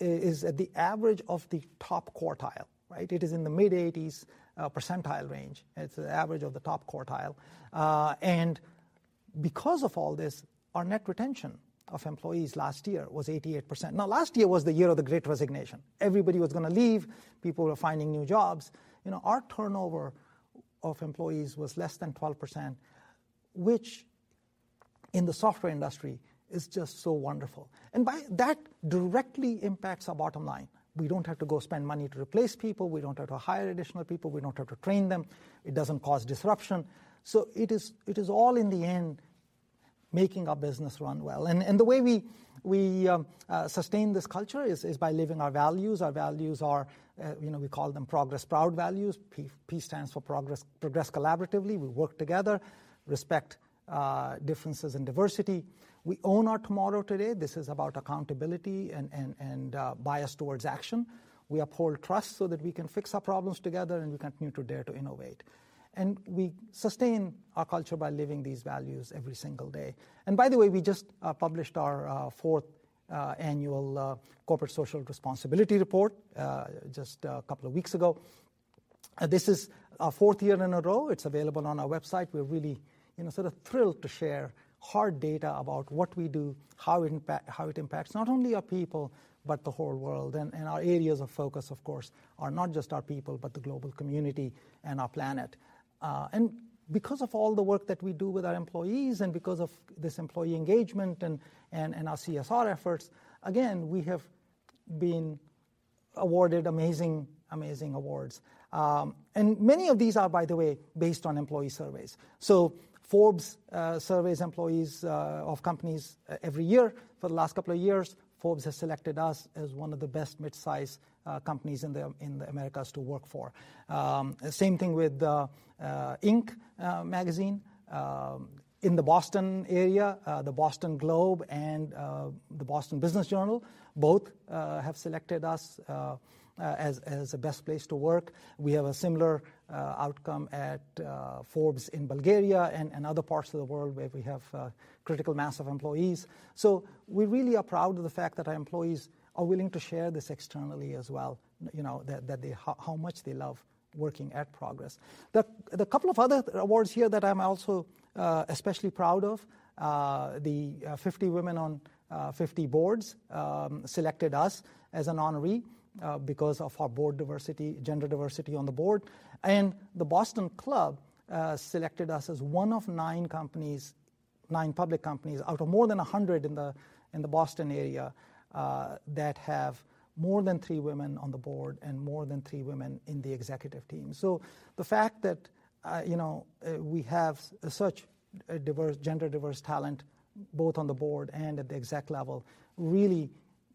at the average of the top quartile, right? It is in the mid-80s percentile range. It's the average of the top quartile. Because of all this, our net retention of employees last year was 88%. Last year was the year of the great resignation. Everybody was gonna leave. People were finding new jobs. You know, our turnover of employees was less than 12%, which in the software industry is just so wonderful. That directly impacts our bottom line. We don't have to go spend money to replace people. We don't have to hire additional people. We don't have to train them. It doesn't cause disruption. It is all in the end making our business run well. The way we sustain this culture is by living our values. Our values are, you know, we call them ProgressPROUD values. P-P stands for Progress collaboratively, we work together, respect differences and diversity. We own our tomorrow today. This is about accountability and bias towards action. We uphold trust so that we can fix our problems together. We continue to dare to innovate. We sustain our culture by living these values every single day. By the way, we just published our fourth annual corporate social responsibility report just a couple of weeks ago. This is our fourth year in a row. It's available on our website. We're really, you know, sort of thrilled to share hard data about what we do, how it impacts not only our people, but the whole world. Our areas of focus, of course, are not just our people, but the global community and our planet. Because of all the work that we do with our employees and because of this employee engagement and our CSR efforts, again, we have been awarded amazing awards. Many of these are, by the way, based on employee surveys. Forbes surveys employees of companies every year. For the last couple of years, Forbes has selected us as one of the best mid-size companies in the Americas to work for. Same thing with Inc. magazine. In the Boston area, the Boston Globe and the Boston Business Journal both have selected us as the best place to work. We have a similar outcome at Forbes in Bulgaria and other parts of the world where we have critical mass of employees. We really are proud of the fact that our employees are willing to share this externally as well, you know, that they how much they love working at Progress. The couple of other awards here that I'm also especially proud of, the 50 Women on 50 Boards selected us as an honoree because of our board diversity, gender diversity on the board. The Boston Club selected us as one of nine companies, nine public companies out of more than 100 in the Boston area, that have more than three women on the board and more than three women in the executive team. The fact that, you know, we have such a gender diverse talent both on the board and at the exec level really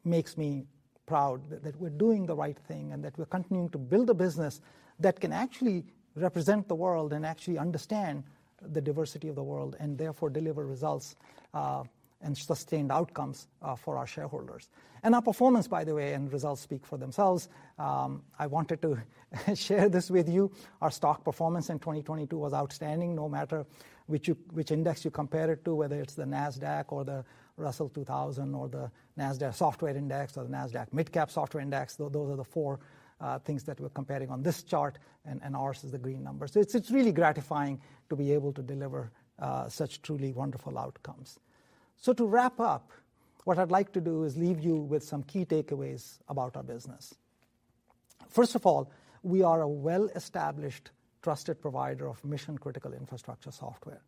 makes me proud that we're doing the right thing and that we're continuing to build a business that can actually represent the world and actually understand the diversity of the world, and therefore deliver results and sustained outcomes for our shareholders. Our performance, by the way, and results speak for themselves. I wanted to share this with you. Our stock performance in 2022 was outstanding, no matter which index you compare it to, whether it's the Nasdaq or the Russell 2000 or the Nasdaq Software Index or the Nasdaq Mid-Cap Software Index. Those are the four things that we're comparing on this chart, and ours is the green numbers. It's really gratifying to be able to deliver such truly wonderful outcomes. To wrap up, what I'd like to do is leave you with some key takeaways about our business. First of all, we are a well-established trusted provider of mission-critical infrastructure software.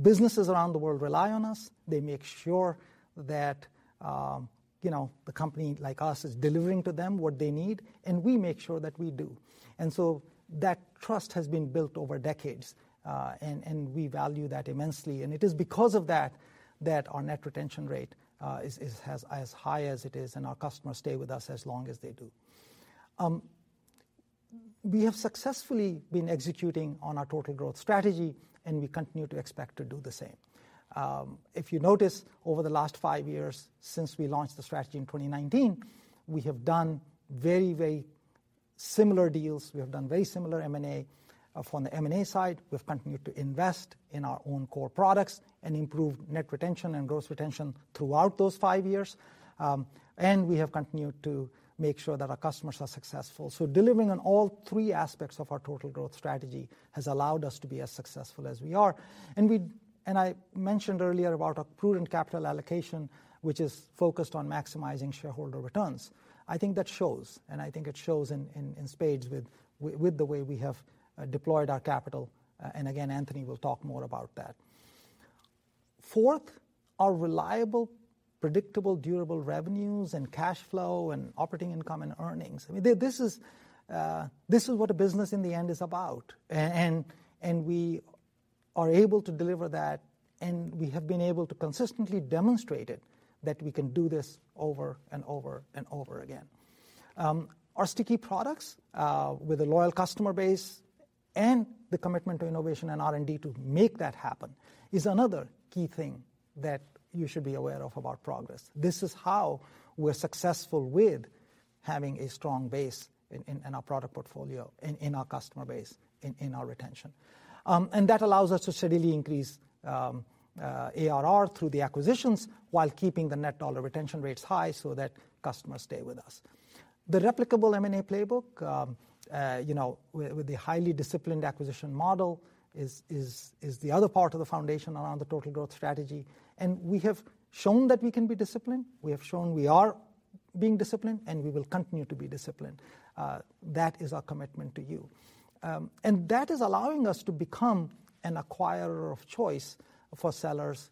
Businesses around the world rely on us. They make sure that, you know, the company like us is delivering to them what they need, and we make sure that we do. That trust has been built over decades, and we value that immensely. It is because of that that our net retention rate is as high as it is, and our customers stay with us as long as they do. We have successfully been executing on our total growth strategy, and we continue to expect to do the same. If you notice over the last 5 years since we launched the strategy in 2019, we have done very similar deals. We have done very similar M&A. From the M&A side, we've continued to invest in our own core products and improve net retention and gross retention throughout those 5 years. And we have continued to make sure that our customers are successful. Delivering on all 3 aspects of our total growth strategy has allowed us to be as successful as we are. I mentioned earlier about our prudent capital allocation, which is focused on maximizing shareholder returns. I think that shows, and I think it shows in spades with the way we have deployed our capital, and again, Anthony will talk more about that. Fourth, our reliable, predictable, durable revenues and cash flow and operating income and earnings. I mean, this is what a business in the end is about. We are able to deliver that, and we have been able to consistently demonstrate it that we can do this over and over and over again. Our sticky products, with a loyal customer base and the commitment to innovation and R&D to make that happen is another key thing that you should be aware of about Progress. This is how we're successful with having a strong base in our product portfolio and in our customer base, in our retention. That allows us to steadily increase ARR through the acquisitions while keeping the net dollar retention rates high so that customers stay with us. The replicable M&A playbook, you know, with the highly disciplined acquisition model is the other part of the foundation around the total growth strategy. We have shown that we can be disciplined. We have shown we are being disciplined. We will continue to be disciplined. That is our commitment to you. That is allowing us to become an acquirer of choice for sellers,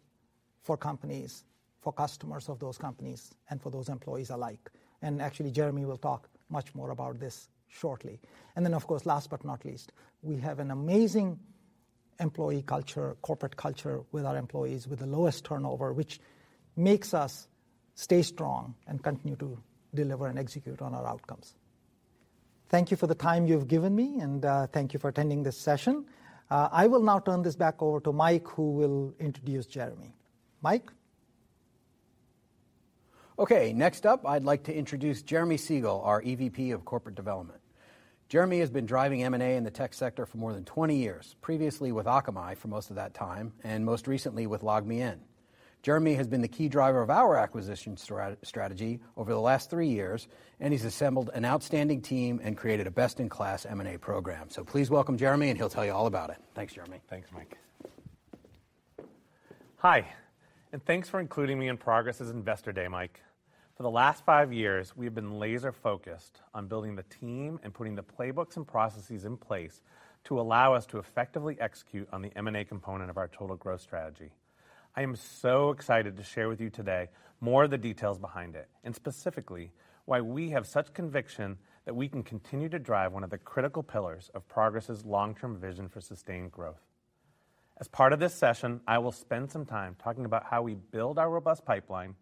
for companies, for customers of those companies, and for those employees alike. Actually, Jeremy will talk much more about this shortly. Of course, last but not least, we have an amazing employee culture, corporate culture with our employees with the lowest turnover, which makes us stay strong and continue to deliver and execute on our outcomes. Thank you for the time you've given me, and thank you for attending this session. I will now turn this back over to Mike, who will introduce Jeremy. Mike? Next up, I'd like to introduce Jeremy Segal, our EVP of Corporate Development. Jeremy has been driving M&A in the tech sector for more than 20 years, previously with Akamai for most of that time and most recently with LogMeIn. Jeremy has been the key driver of our acquisition strategy over the last 3 years, and he's assembled an outstanding team and created a best-in-class M&A program. Please welcome Jeremy, and he'll tell you all about it. Thanks, Jeremy. Thanks, Mike. Hi. Thanks for including me in Progress's Investor Day, Mike. For the last five years, we have been laser-focused on building the team and putting the playbooks and processes in place to allow us to effectively execute on the M&A component of our total growth strategy. I am so excited to share with you today more of the details behind it and specifically why we have such conviction that we can continue to drive one of the critical pillars of Progress's long-term vision for sustained growth. As part of this session, I will spend some time talking about how we build our robust pipeline,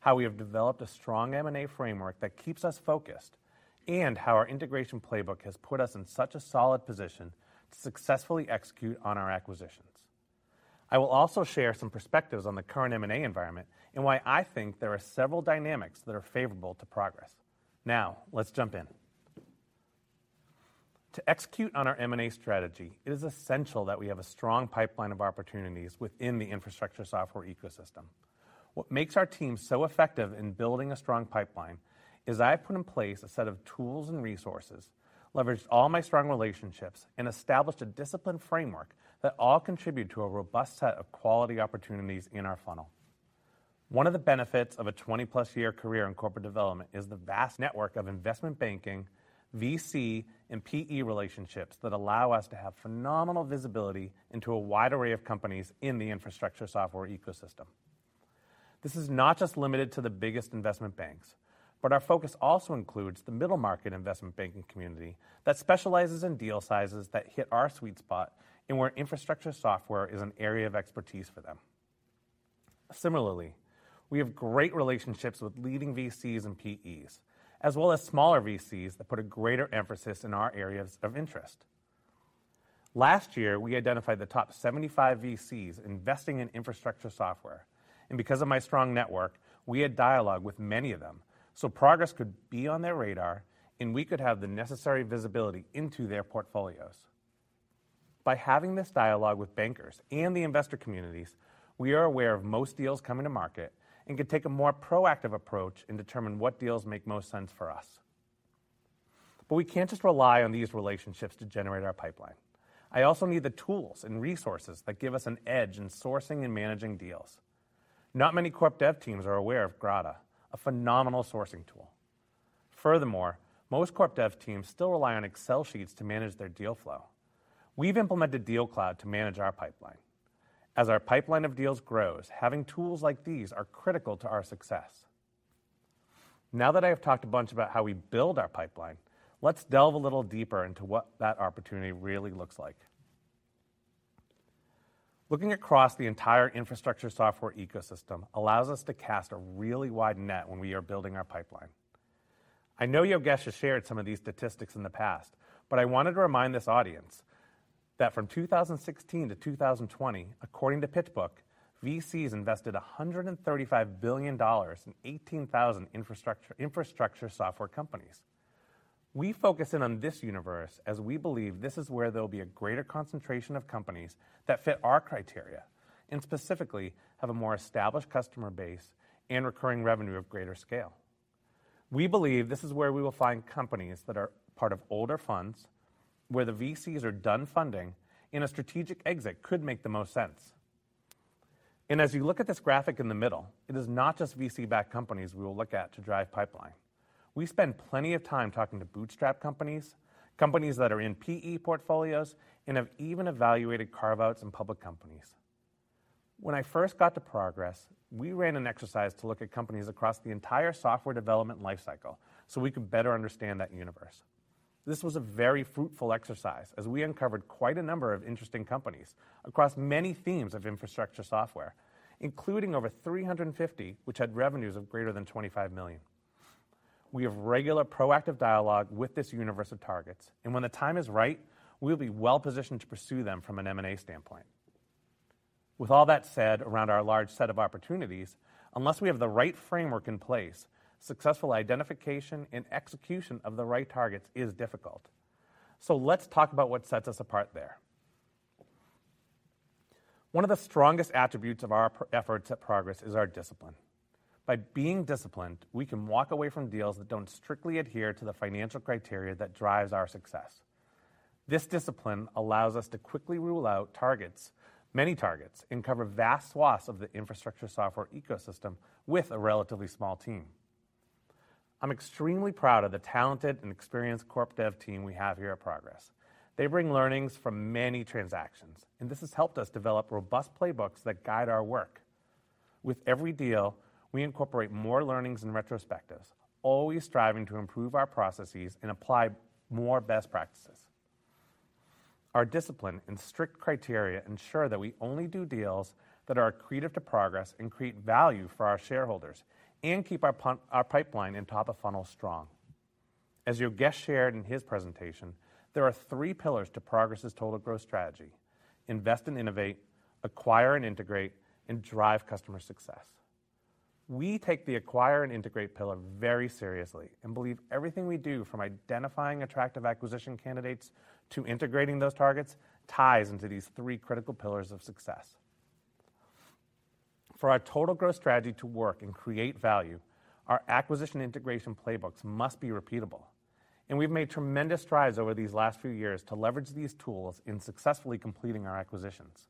how we have developed a strong M&A framework that keeps us focused, and how our integration playbook has put us in such a solid position to successfully execute on our acquisitions. I will also share some perspectives on the current M&A environment and why I think there are several dynamics that are favorable to Progress. Let's jump in. To execute on our M&A strategy, it is essential that we have a strong pipeline of opportunities within the infrastructure software ecosystem. What makes our team so effective in building a strong pipeline is I've put in place a set of tools and resources, leveraged all my strong relationships, and established a disciplined framework that all contribute to a robust set of quality opportunities in our funnel. One of the benefits of a 20+ year career in corporate development is the vast network of investment banking, VC, and PE relationships that allow us to have phenomenal visibility into a wide array of companies in the infrastructure software ecosystem. This is not just limited to the biggest investment banks, but our focus also includes the middle market investment banking community that specializes in deal sizes that hit our sweet spot and where infrastructure software is an area of expertise for them. We have great relationships with leading VCs and PEs, as well as smaller VCs that put a greater emphasis in our areas of interest. Last year, we identified the top 75 VCs investing in infrastructure software, and because of my strong network, we had dialogue with many of them so Progress could be on their radar, and we could have the necessary visibility into their portfolios. By having this dialogue with bankers and the investor communities, we are aware of most deals coming to market and can take a more proactive approach and determine what deals make most sense for us. We can't just rely on these relationships to generate our pipeline. I also need the tools and resources that give us an edge in sourcing and managing deals. Not many corp dev teams are aware of Grata, a phenomenal sourcing tool. Furthermore, most corp dev teams still rely on Excel sheets to manage their deal flow. We've implemented DealCloud to manage our pipeline. As our pipeline of deals grows, having tools like these are critical to our success. Now that I have talked a bunch about how we build our pipeline, let's delve a little deeper into what that opportunity really looks like. Looking across the entire infrastructure software ecosystem allows us to cast a really wide net when we are building our pipeline. I know Yogesh has shared some of these statistics in the past, but I wanted to remind this audience that from 2016 to 2020, according to PitchBook, VCs invested $135 billion in 18,000 infrastructure software companies. We focus in on this universe as we believe this is where there'll be a greater concentration of companies that fit our criteria and specifically have a more established customer base and recurring revenue of greater scale. We believe this is where we will find companies that are part of older funds, where the VCs are done funding, and a strategic exit could make the most sense. As you look at this graphic in the middle, it is not just VC-backed companies we will look at to drive pipeline. We spend plenty of time talking to bootstrap companies that are in PE portfolios, and have even evaluated carve-outs in public companies. When I first got to Progress, we ran an exercise to look at companies across the entire software development lifecycle so we could better understand that universe. This was a very fruitful exercise as we uncovered quite a number of interesting companies across many themes of infrastructure software, including over 350, which had revenues of greater than $25 million. We have regular proactive dialogue with this universe of targets, and when the time is right, we'll be well-positioned to pursue them from an M&A standpoint. With all that said around our large set of opportunities, unless we have the right framework in place, successful identification and execution of the right targets is difficult. Let's talk about what sets us apart there. One of the strongest attributes of our efforts at Progress is our discipline. By being disciplined, we can walk away from deals that don't strictly adhere to the financial criteria that drives our success. This discipline allows us to quickly rule out targets, many targets, and cover vast swaths of the infrastructure software ecosystem with a relatively small team. I'm extremely proud of the talented and experienced corp dev team we have here at Progress. They bring learnings from many transactions, and this has helped us develop robust playbooks that guide our work. With every deal, we incorporate more learnings and retrospectives, always striving to improve our processes and apply more best practices. Our discipline and strict criteria ensure that we only do deals that are accretive to Progress and create value for our shareholders and keep our pipeline and top of funnel strong. As Yogesh shared in his presentation, there are three pillars to Progress's total growth strategy: invest and innovate, acquire and integrate, and drive customer success. We take the acquire and integrate pillar very seriously and believe everything we do, from identifying attractive acquisition candidates to integrating those targets, ties into these three critical pillars of success. For our total growth strategy to work and create value, our acquisition integration playbooks must be repeatable, and we've made tremendous strides over these last few years to leverage these tools in successfully completing our acquisitions.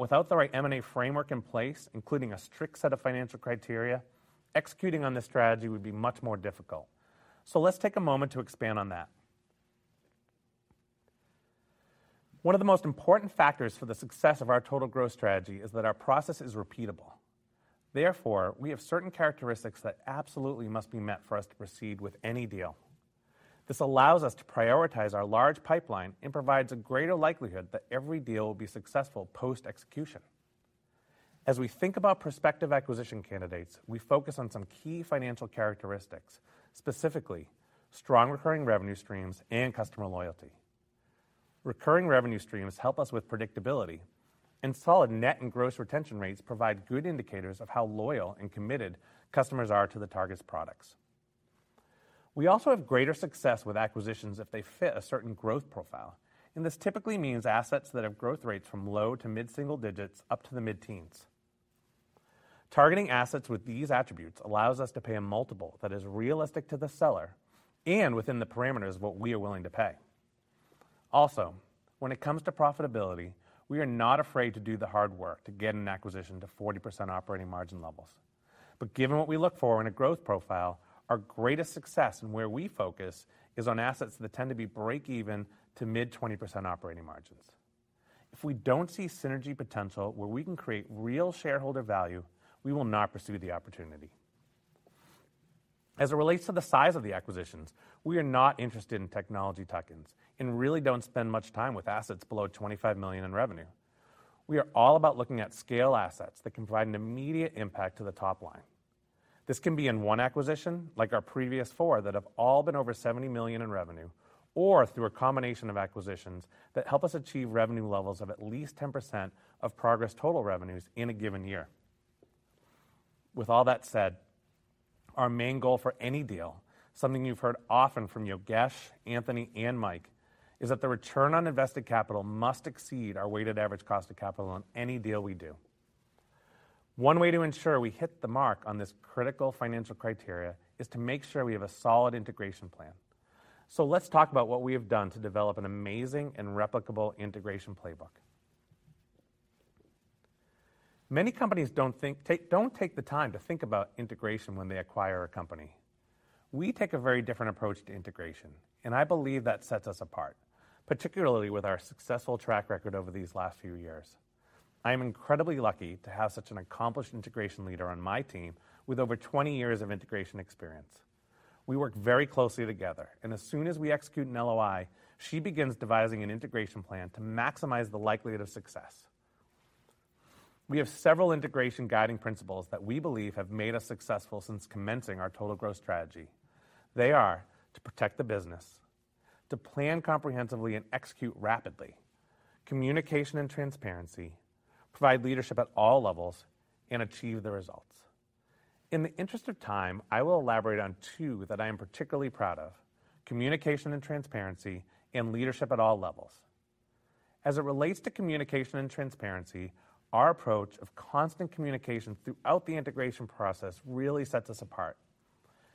Without the right M&A framework in place, including a strict set of financial criteria, executing on this strategy would be much more difficult. Let's take a moment to expand on that. One of the most important factors for the success of our total growth strategy is that our process is repeatable. Therefore, we have certain characteristics that absolutely must be met for us to proceed with any deal. This allows us to prioritize our large pipeline and provides a greater likelihood that every deal will be successful post-execution. As we think about prospective acquisition candidates, we focus on some key financial characteristics, specifically strong recurring revenue streams and customer loyalty. Recurring revenue streams help us with predictability and solid net and gross retention rates provide good indicators of how loyal and committed customers are to the target's products. We also have greater success with acquisitions if they fit a certain growth profile, and this typically means assets that have growth rates from low to mid-single digits up to the mid-teens. Targeting assets with these attributes allows us to pay a multiple that is realistic to the seller and within the parameters of what we are willing to pay. Also, when it comes to profitability, we are not afraid to do the hard work to get an acquisition to 40% operating margin levels. Given what we look for in a growth profile, our greatest success and where we focus is on assets that tend to be break even to mid 20% operating margins. If we don't see synergy potential where we can create real shareholder value, we will not pursue the opportunity. As it relates to the size of the acquisitions, we are not interested in technology tuck-ins and really don't spend much time with assets below $25 million in revenue. We are all about looking at scale assets that can provide an immediate impact to the top line. This can be in one acquisition, like our previous four that have all been over $70 million in revenue, or through a combination of acquisitions that help us achieve revenue levels of at least 10% of Progress total revenues in a given year. With all that said, our main goal for any deal, something you've heard often from Yogesh, Anthony and Mike, is that the return on invested capital must exceed our weighted average cost of capital on any deal we do. One way to ensure we hit the mark on this critical financial criteria is to make sure we have a solid integration plan. Let's talk about what we have done to develop an amazing and replicable integration playbook. Many companies don't take the time to think about integration when they acquire a company. We take a very different approach to integration, and I believe that sets us apart, particularly with our successful track record over these last few years. I am incredibly lucky to have such an accomplished integration leader on my team with over 20 years of integration experience. We work very closely together, as soon as we execute an LOI, she begins devising an integration plan to maximize the likelihood of success. We have several integration guiding principles that we believe have made us successful since commencing our Total Growth Strategy. They are to protect the business, to plan comprehensively and execute rapidly, communication and transparency, provide leadership at all levels, and achieve the results. In the interest of time, I will elaborate on two that I am particularly proud of: communication and transparency and leadership at all levels. As it relates to communication and transparency, our approach of constant communication throughout the integration process really sets us apart.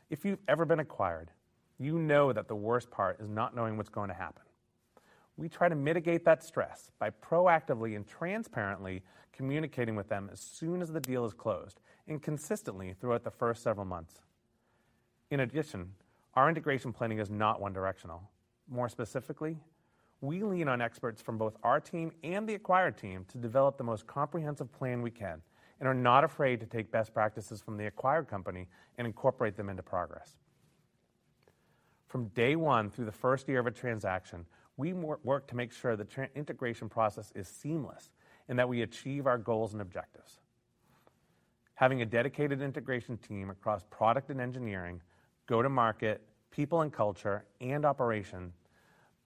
If you've ever been acquired, you know that the worst part is not knowing what's going to happen. We try to mitigate that stress by proactively and transparently communicating with them as soon as the deal is closed and consistently throughout the first several months. In addition, our integration planning is not one directional. More specifically, we lean on experts from both our team and the acquired team to develop the most comprehensive plan we can and are not afraid to take best practices from the acquired company and incorporate them into Progress. From day one through the first year of a transaction, we work to make sure the integration process is seamless and that we achieve our goals and objectives. Having a dedicated integration team across product and engineering, go to market, people and culture, and operation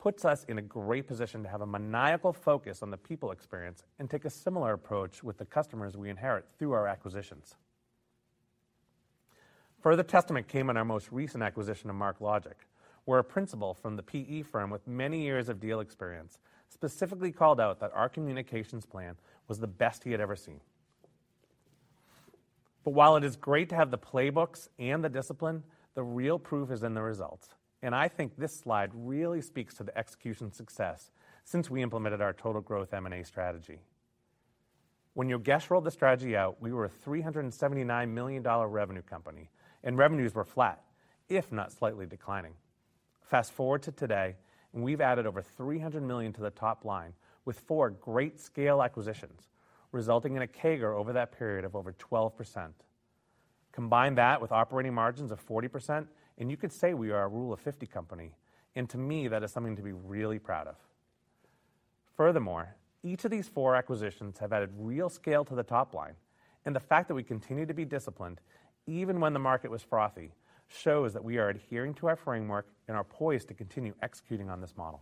puts us in a great position to have a maniacal focus on the people experience and take a similar approach with the customers we inherit through our acquisitions. Further testament came in our most recent acquisition of MarkLogic, where a principal from the PE firm with many years of deal experience specifically called out that our communications plan was the best he had ever seen. While it is great to have the playbooks and the discipline, the real proof is in the results. I think this slide really speaks to the execution success since we implemented our Total Growth M&A strategy. When Yogesh rolled the strategy out, we were a $379 million revenue company, and revenues were flat, if not slightly declining. Fast-forward to today, we've added over $300 million to the top line with four great scale acquisitions, resulting in a CAGR over that period of over 12%. Combine that with operating margins of 40%, you could say we are a rule of 50 company. To me, that is something to be really proud of. Furthermore, each of these four acquisitions have added real scale to the top line, and the fact that we continue to be disciplined even when the market was frothy, shows that we are adhering to our framework and are poised to continue executing on this model.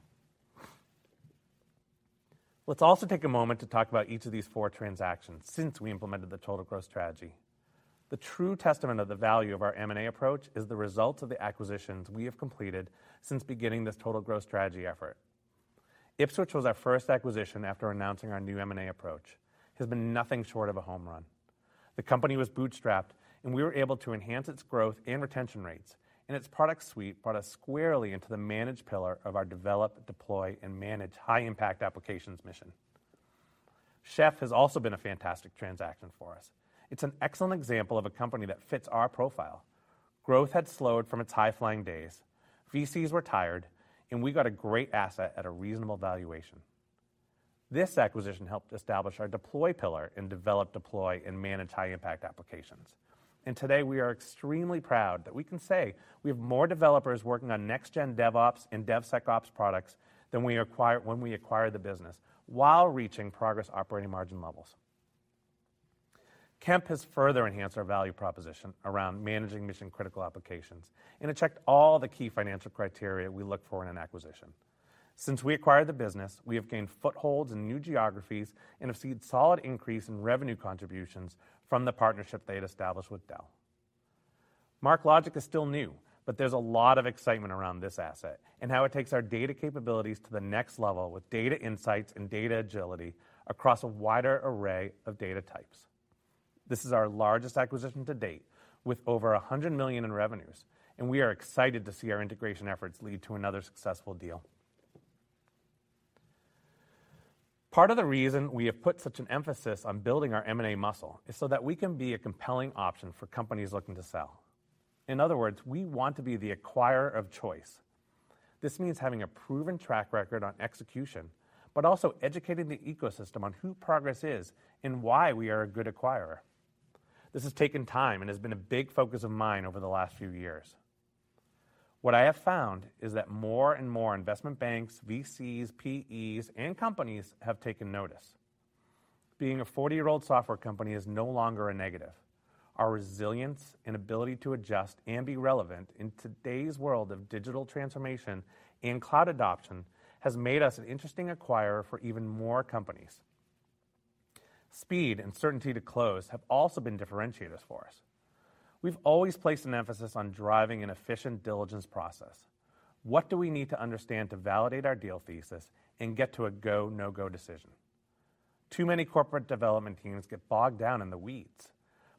Let's also take a moment to talk about each of these four transactions since we implemented the Total Growth Strategy. The true testament of the value of our M&A approach is the results of the acquisitions we have completed since beginning this Total Growth Strategy effort. Ipswitch was our first acquisition after announcing our new M&A approach. It has been nothing short of a home run. The company was bootstrapped, and we were able to enhance its growth and retention rates, and its product suite brought us squarely into the manage pillar of our develop, deploy, and manage high-impact applications mission. Chef has also been a fantastic transaction for us. It's an excellent example of a company that fits our profile. Growth had slowed from its high-flying days, VCs were tired, and we got a great asset at a reasonable valuation. This acquisition helped establish our deploy pillar in develop, deploy, and manage high-impact applications. Today, we are extremely proud that we can say we have more developers working on next gen DevOps and DevSecOps products than when we acquired the business while reaching Progress operating margin levels. Kemp has further enhanced our value proposition around managing mission-critical applications and it checked all the key financial criteria we look for in an acquisition. Since we acquired the business, we have gained footholds in new geographies and have seen solid increase in revenue contributions from the partnership they had established with Dell. MarkLogic is still new, but there's a lot of excitement around this asset and how it takes our data capabilities to the next level with data insights and data agility across a wider array of data types. This is our largest acquisition to date with over $100 million in revenues. We are excited to see our integration efforts lead to another successful deal. Part of the reason we have put such an emphasis on building our M&A muscle is so that we can be a compelling option for companies looking to sell. In other words, we want to be the acquirer of choice. This means having a proven track record on execution, but also educating the ecosystem on who Progress is and why we are a good acquirer. This has taken time and has been a big focus of mine over the last few years. What I have found is that more and more investment banks, VCs, PEs, and companies have taken notice. Being a 40-year-old software company is no longer a negative. Our resilience and ability to adjust and be relevant in today's world of digital transformation and cloud adoption has made us an interesting acquirer for even more companies. Speed and certainty to close have also been differentiators for us. We've always placed an emphasis on driving an efficient diligence process. What do we need to understand to validate our deal thesis and get to a go, no-go decision? Too many corporate develop.ent teams get bogged down in the weeds.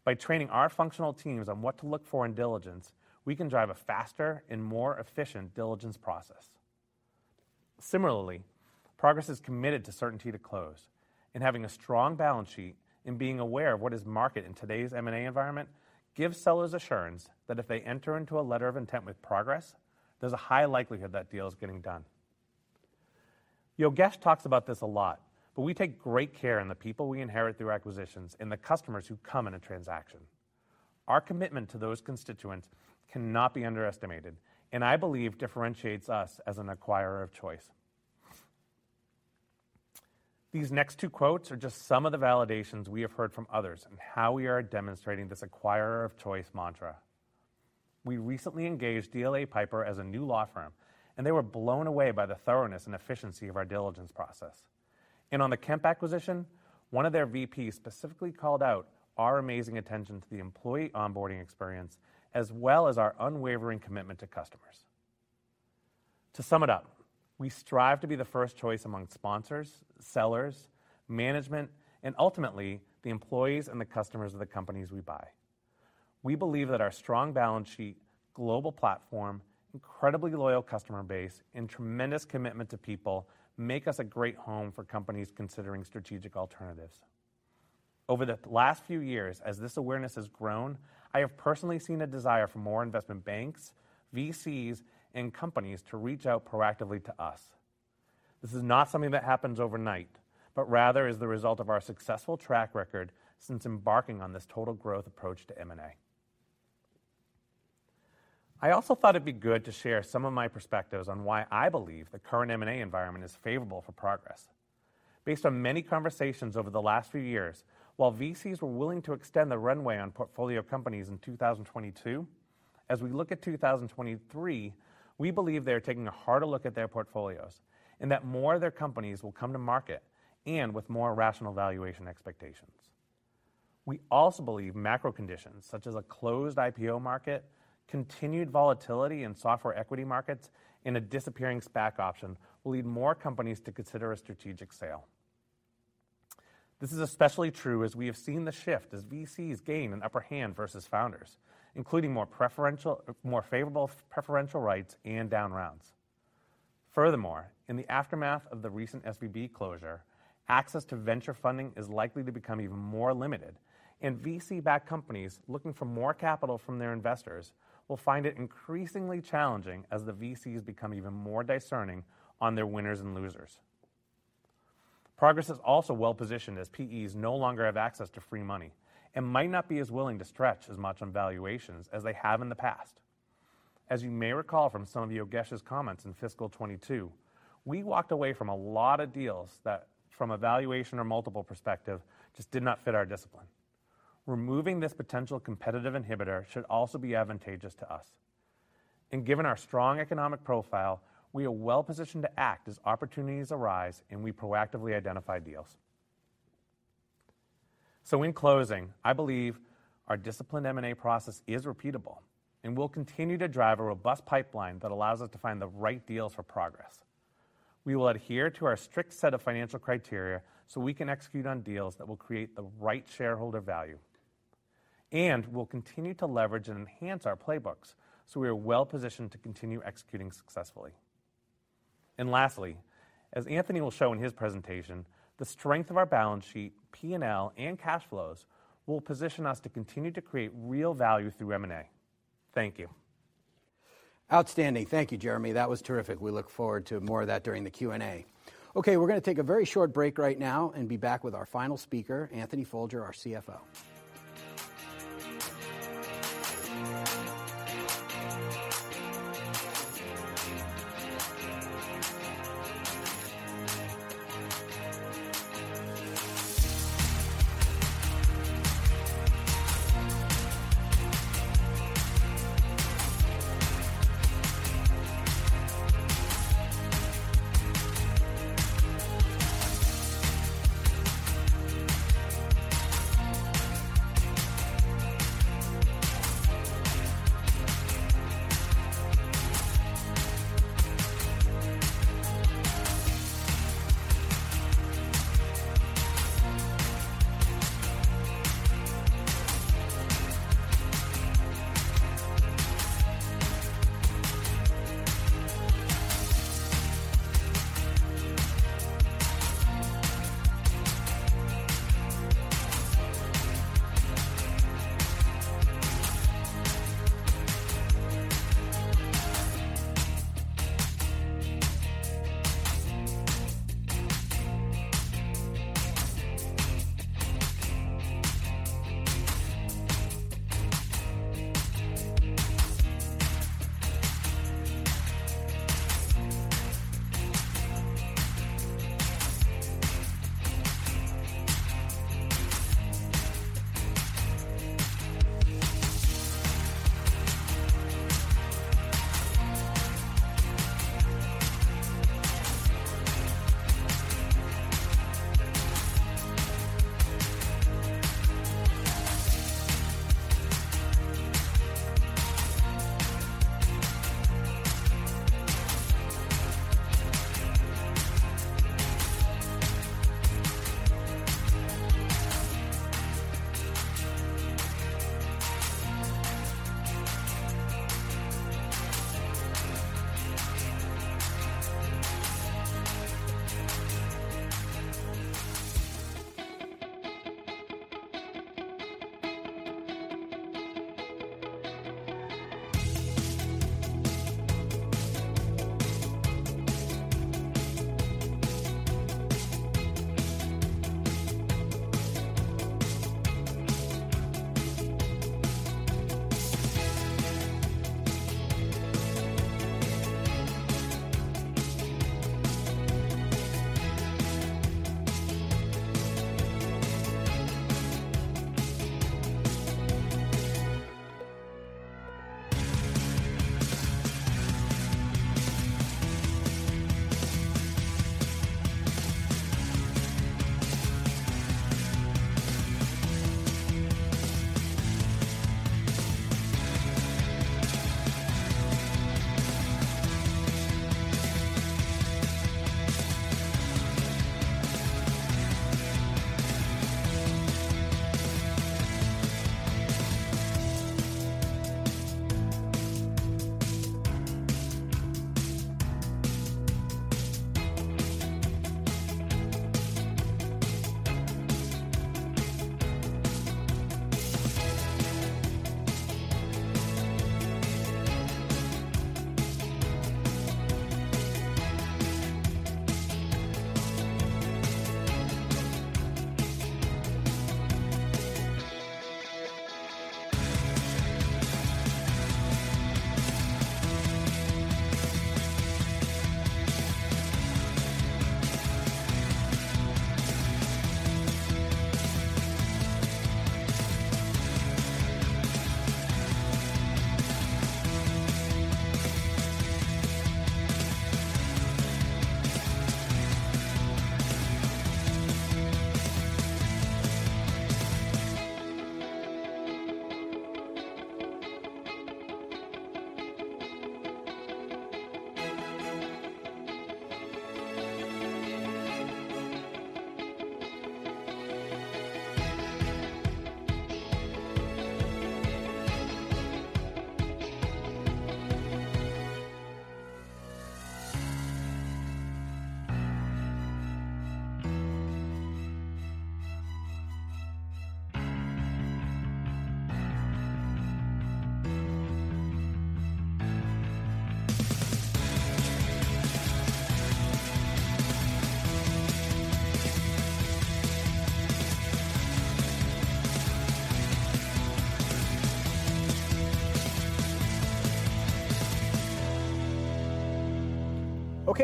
By training our functional teams on what to look for in diligence, we can drive a faster and more efficient diligence process. Similarly, Progress is committed to certainty to close and having a strong balance sheet and being aware of what is market in today's M&A environment gives sellers assurance that if they enter into a letter of intent with Progress, there's a high likelihood that deal is getting done. Yogesh talks about this a lot, but we take great care in the people we inherit through acquisitions and the customers who come in a transaction. Our commitment to those constituents cannot be underestimated, and I believe differentiates us as an acquirer of choice. These next two quotes are just some of the validations we have heard from others on how we are demonstrating this acquirer of choice mantra. We recently engaged DLA Piper as a new law firm, and they were blown away by the thoroughness and efficiency of our diligence process. On the Kemp acquisition, one of their VPs specifically called out our amazing attention to the employee onboarding experience, as well as our unwavering commitment to customers. To sum it up, we strive to be the first choice among sponsors, sellers, management, and ultimately, the employees and the customers of the companies we buy. We believe that our strong balance sheet, global platform, incredibly loyal customer base, and tremendous commitment to people make us a great home for companies considering strategic alternatives. Over the last few years, as this awareness has grown, I have personally seen a desire for more investment banks, VCs, and companies to reach out proactively to us. This is not something that happens overnight, but rather is the result of our successful track record since embarking on this total growth approach to M&A. I also thought it'd be good to share some of my perspectives on why I believe the current M&A environment is favorable for Progress. Based on many conversations over the last few years, while VCs were willing to extend the runway on portfolio companies in 2022, as we look at 2023, we believe they are taking a harder look at their portfolios and that more of their companies will come to market and with more rational valuation expectations. We also believe macro conditions such as a closed IPO market, continued volatility in software equity markets, and a disappearing SPAC option will lead more companies to consider a strategic sale. This is especially true as we have seen the shift as VCs gain an upper hand versus founders, including more favorable preferential rights and down rounds. Furthermore, in the aftermath of the recent SVB closure, access to venture funding is likely to become even more limited, and VC-backed companies looking for more capital from their investors will find it increasingly challenging as the VCs become even more discerning on their winners and losers. Progress is also well-positioned as PEs no longer have access to free money and might not be as willing to stretch as much on valuations as they have in the past. As you may recall from some of Yogesh's comments in fiscal 2022, we walked away from a lot of deals that from a valuation or multiple perspective, just did not fit our discipline. Removing this potential competitive inhibitor should also be advantageous to us. Given our strong economic profile, we are well-positioned to act as opportunities arise and we proactively identify deals. In closing, I believe our disciplined M&A process is repeatable and will continue to drive a robust pipeline that allows us to find the right deals for Progress. We will adhere to our strict set of financial criteria so we can execute on deals that will create the right shareholder value. We'll continue to leverage and enhance our playbooks, so we are well-positioned to continue executing successfully. Lastly, as Anthony will show in his presentation, the strength of our balance sheet, P&L, and cash flows will position us to continue to create real value through M&A. Thank you. Outstanding. Thank you, Jeremy. That was terrific. We look forward to more of that during the Q&A. We're gonna take a very short break right now and be back with our final speaker, Anthony Folger, our CFO.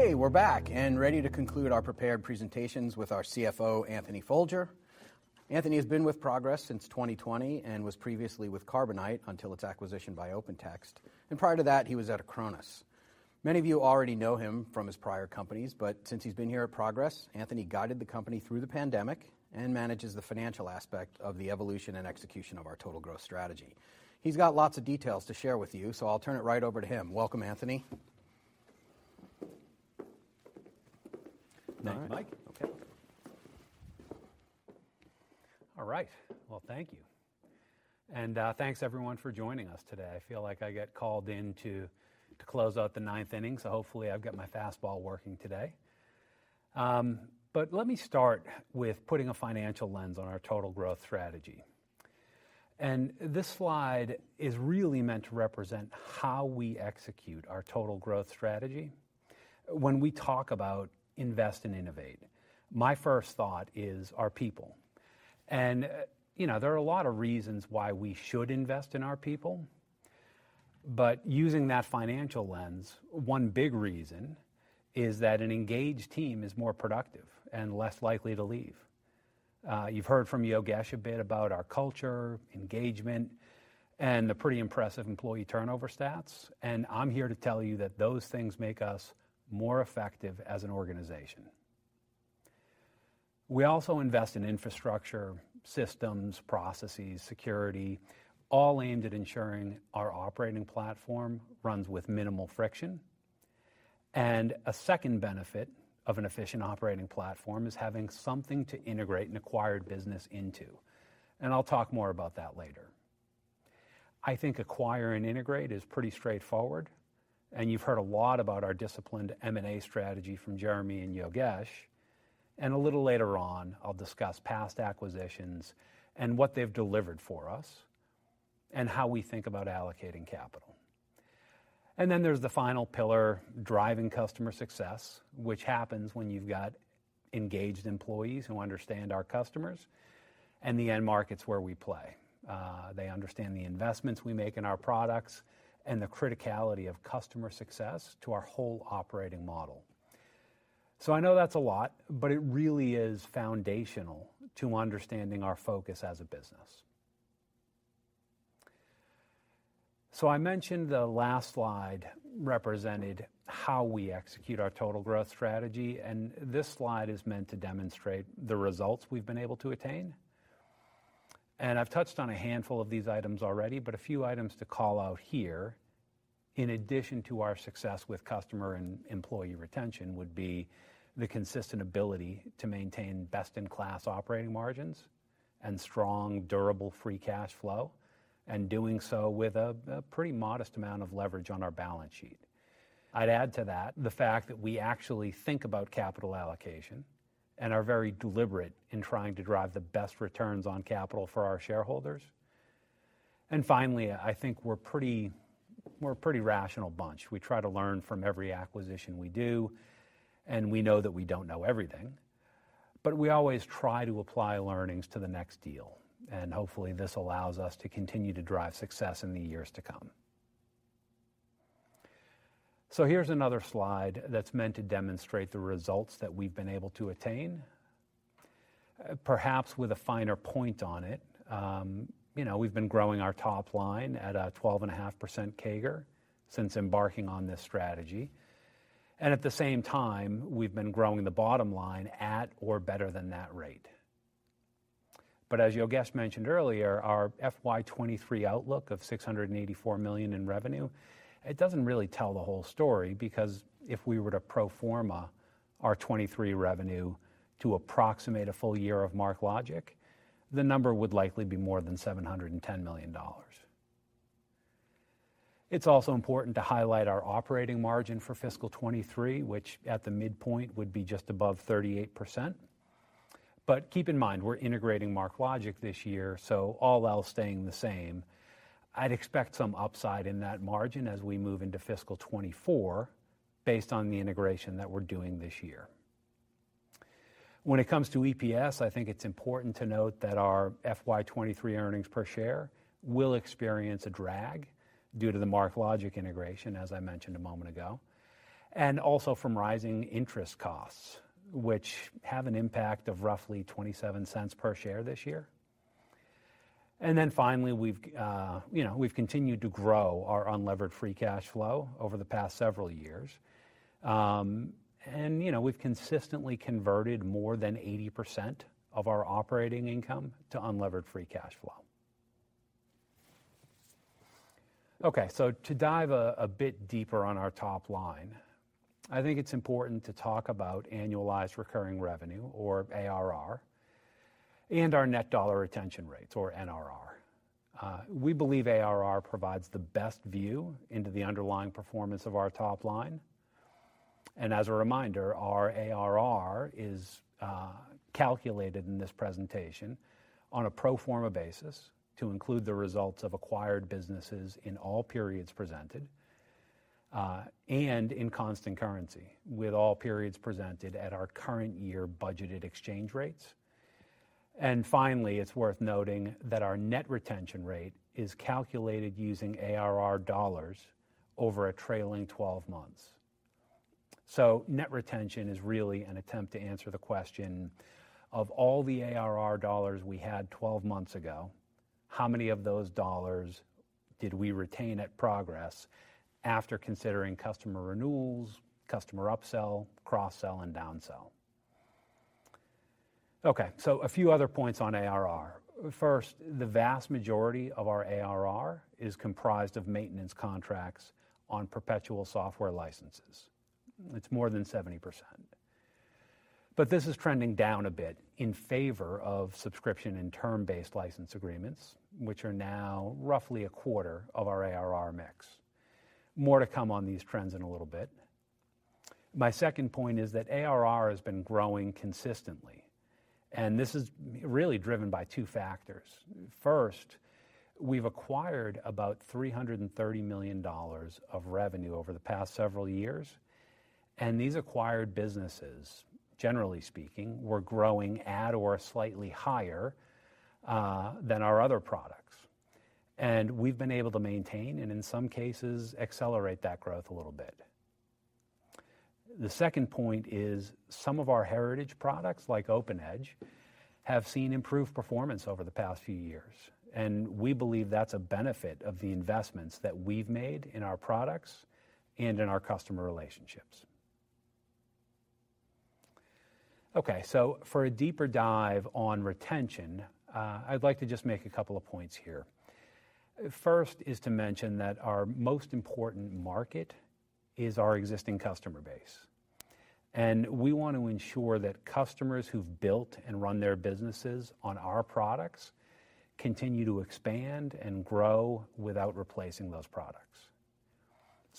We're back and ready to conclude our prepared presentations with our CFO, Anthony Folger. Anthony has been with Progress since 2020 and was previously with Carbonite until its acquisition by OpenText. Prior to that, he was at Acronis. Many of you already know him from his prior companies, since he's been here at Progress, Anthony guided the company through the pandemic and manages the financial aspect of the evolution and execution of our total growth strategy. He's got lots of details to share with you, I'll turn it right over to him. Welcome, Anthony. All right. Thank you, Mike. Okay. All right. Well, thank you. Thanks everyone for joining us today. I feel like I get called in to close out the ninth inning, so hopefully I've got my fastball working today. Let me start with putting a financial lens on our total growth strategy. This slide is really meant to represent how we execute our total growth strategy. When we talk about invest and innovate, my first thought is our people. You know, there are a lot of reasons why we should invest in our people. Using that financial lens, one big reason is that an engaged team is more productive and less likely to leave. You've heard from Yogesh a bit about our culture, engagement, and the pretty impressive employee turnover stats, I'm here to tell you that those things make us more effective as an organization We also invest in infrastructure, systems, processes, security, all aimed at ensuring our operating platform runs with minimal friction. A second benefit of an efficient operating platform is having something to integrate an acquired business into, and I'll talk more about that later. I think acquire and integrate is pretty straightforward, and you've heard a lot about our disciplined M&A strategy from Jeremy and Yogesh. A little later on, I'll discuss past acquisitions and what they've delivered for us and how we think about allocating capital. Then there's the final pillar, driving customer success, which happens when you've got engaged employees who understand our customers and the end markets where we play. They understand the investments we make in our products and the criticality of customer success to our whole operating model. I know that's a lot, but it really is foundational to understanding our focus as a business. I mentioned the last slide represented how we execute our Total Growth Strategy, and this slide is meant to demonstrate the results we've been able to attain. I've touched on a handful of these items already, but a few items to call out here, in addition to our success with customer and employee retention, would be the consistent ability to maintain best-in-class operating margins and strong, durable free cash flow, and doing so with a pretty modest amount of leverage on our balance sheet. I'd add to that the fact that we actually think about capital allocation and are very deliberate in trying to drive the best returns on capital for our shareholders. Finally, I think we're a pretty rational bunch. We try to learn from every acquisition we do, and we know that we don't know everything, but we always try to apply learnings to the next deal, and hopefully, this allows us to continue to drive success in the years to come. Here's another slide that's meant to demonstrate the results that we've been able to attain, perhaps with a finer point on it. You know, we've been growing our top line at a 12.5% CAGR since embarking on this strategy, and at the same time, we've been growing the bottom line at or better than that rate. As Yogesh mentioned earlier, our FY 2023 outlook of $684 million in revenue, it doesn't really tell the whole story because if we were to pro forma our 2023 revenue to approximate a full year of MarkLogic, the number would likely be more than $710 million. It's also important to highlight our operating margin for fiscal 2023, which at the midpoint would be just above 38%. Keep in mind, we're integrating MarkLogic this year, so all else staying the same, I'd expect some upside in that margin as we move into fiscal 2024 based on the integration that we're doing this year. When it comes to EPS, I think it's important to note that our FY 2023 earnings per share will experience a drag due to the MarkLogic integration, as I mentioned a moment ago, and also from rising interest costs, which have an impact of roughly $0.27 per share this year. Finally, you know, we've continued to grow our unlevered free cash flow over the past several years. And, you know, we've consistently converted more than 80% of our operating income to unlevered free cash flow. To dive a bit deeper on our top line, I think it's important to talk about annualized recurring revenue, or ARR, and our net dollar retention rates, or NRR. We believe ARR provides the best view into the underlying performance of our top line. As a reminder, our ARR is calculated in this presentation on a pro forma basis to include the results of acquired businesses in all periods presented and in constant currency with all periods presented at our current year budgeted exchange rates. Finally, it's worth noting that our net retention rate is calculated using ARR dollars over a trailing 12 months. Net retention is really an attempt to answer the question: of all the ARR dollars we had 12 months ago, how many of those dollars did we retain at Progress after considering customer renewals, customer upsell, cross-sell, and down-sell? A few other points on ARR. First, the vast majority of our ARR is comprised of maintenance contracts on perpetual software licenses. It's more than 70%. This is trending down a bit in favor of subscription and term-based license agreements, which are now roughly a quarter of our ARR mix. More to come on these trends in a little bit. My second point is that ARR has been growing consistently, and this is really driven by two factors. First, we've acquired about $330 million of revenue over the past several years, and these acquired businesses, generally speaking, were growing at or slightly higher than our other products. We've been able to maintain, and in some cases accelerate that growth a little bit. The second point is some of our heritage products, like OpenEdge, have seen improved performance over the past few years, and we believe that's a benefit of the investments that we've made in our products and in our customer relationships. Okay, so for a deeper dive on retention, I'd like to just make a couple of points here. First is to mention that our most important market is our existing customer base, and we want to ensure that customers who've built and run their businesses on our products continue to expand and grow without replacing those products.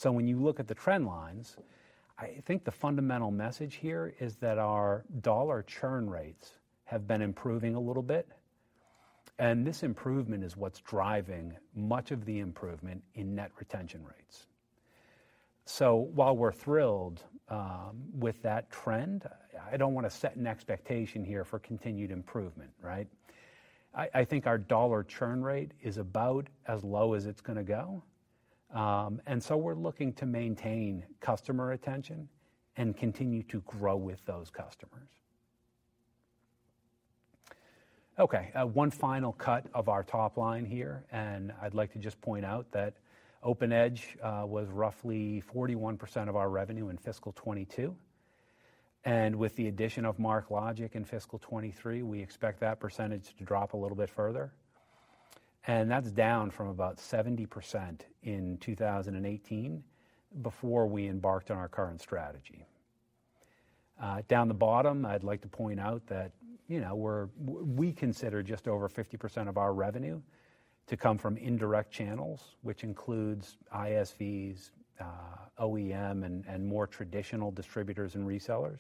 When you look at the trend lines, I think the fundamental message here is that our dollar churn rates have been improving a little bit, and this improvement is what's driving much of the improvement in net retention rates. While we're thrilled, with that trend, I don't wanna set an expectation here for continued improvement, right? I think our dollar churn rate is about as low as it's gonna go. We're looking to maintain customer retention and continue to grow with those customers. Okay, one final cut of our top line here, I'd like to just point out that OpenEdge was roughly 41% of our revenue in fiscal 2022. With the addition of MarkLogic in fiscal 2023, we expect that percentage to drop a little bit further, and that's down from about 70% in 2018 before we embarked on our current strategy. Down the bottom, I'd like to point out that, you know, we consider just over 50% of our revenue to come from indirect channels, which includes ISVs, OEM, and more traditional distributors and resellers.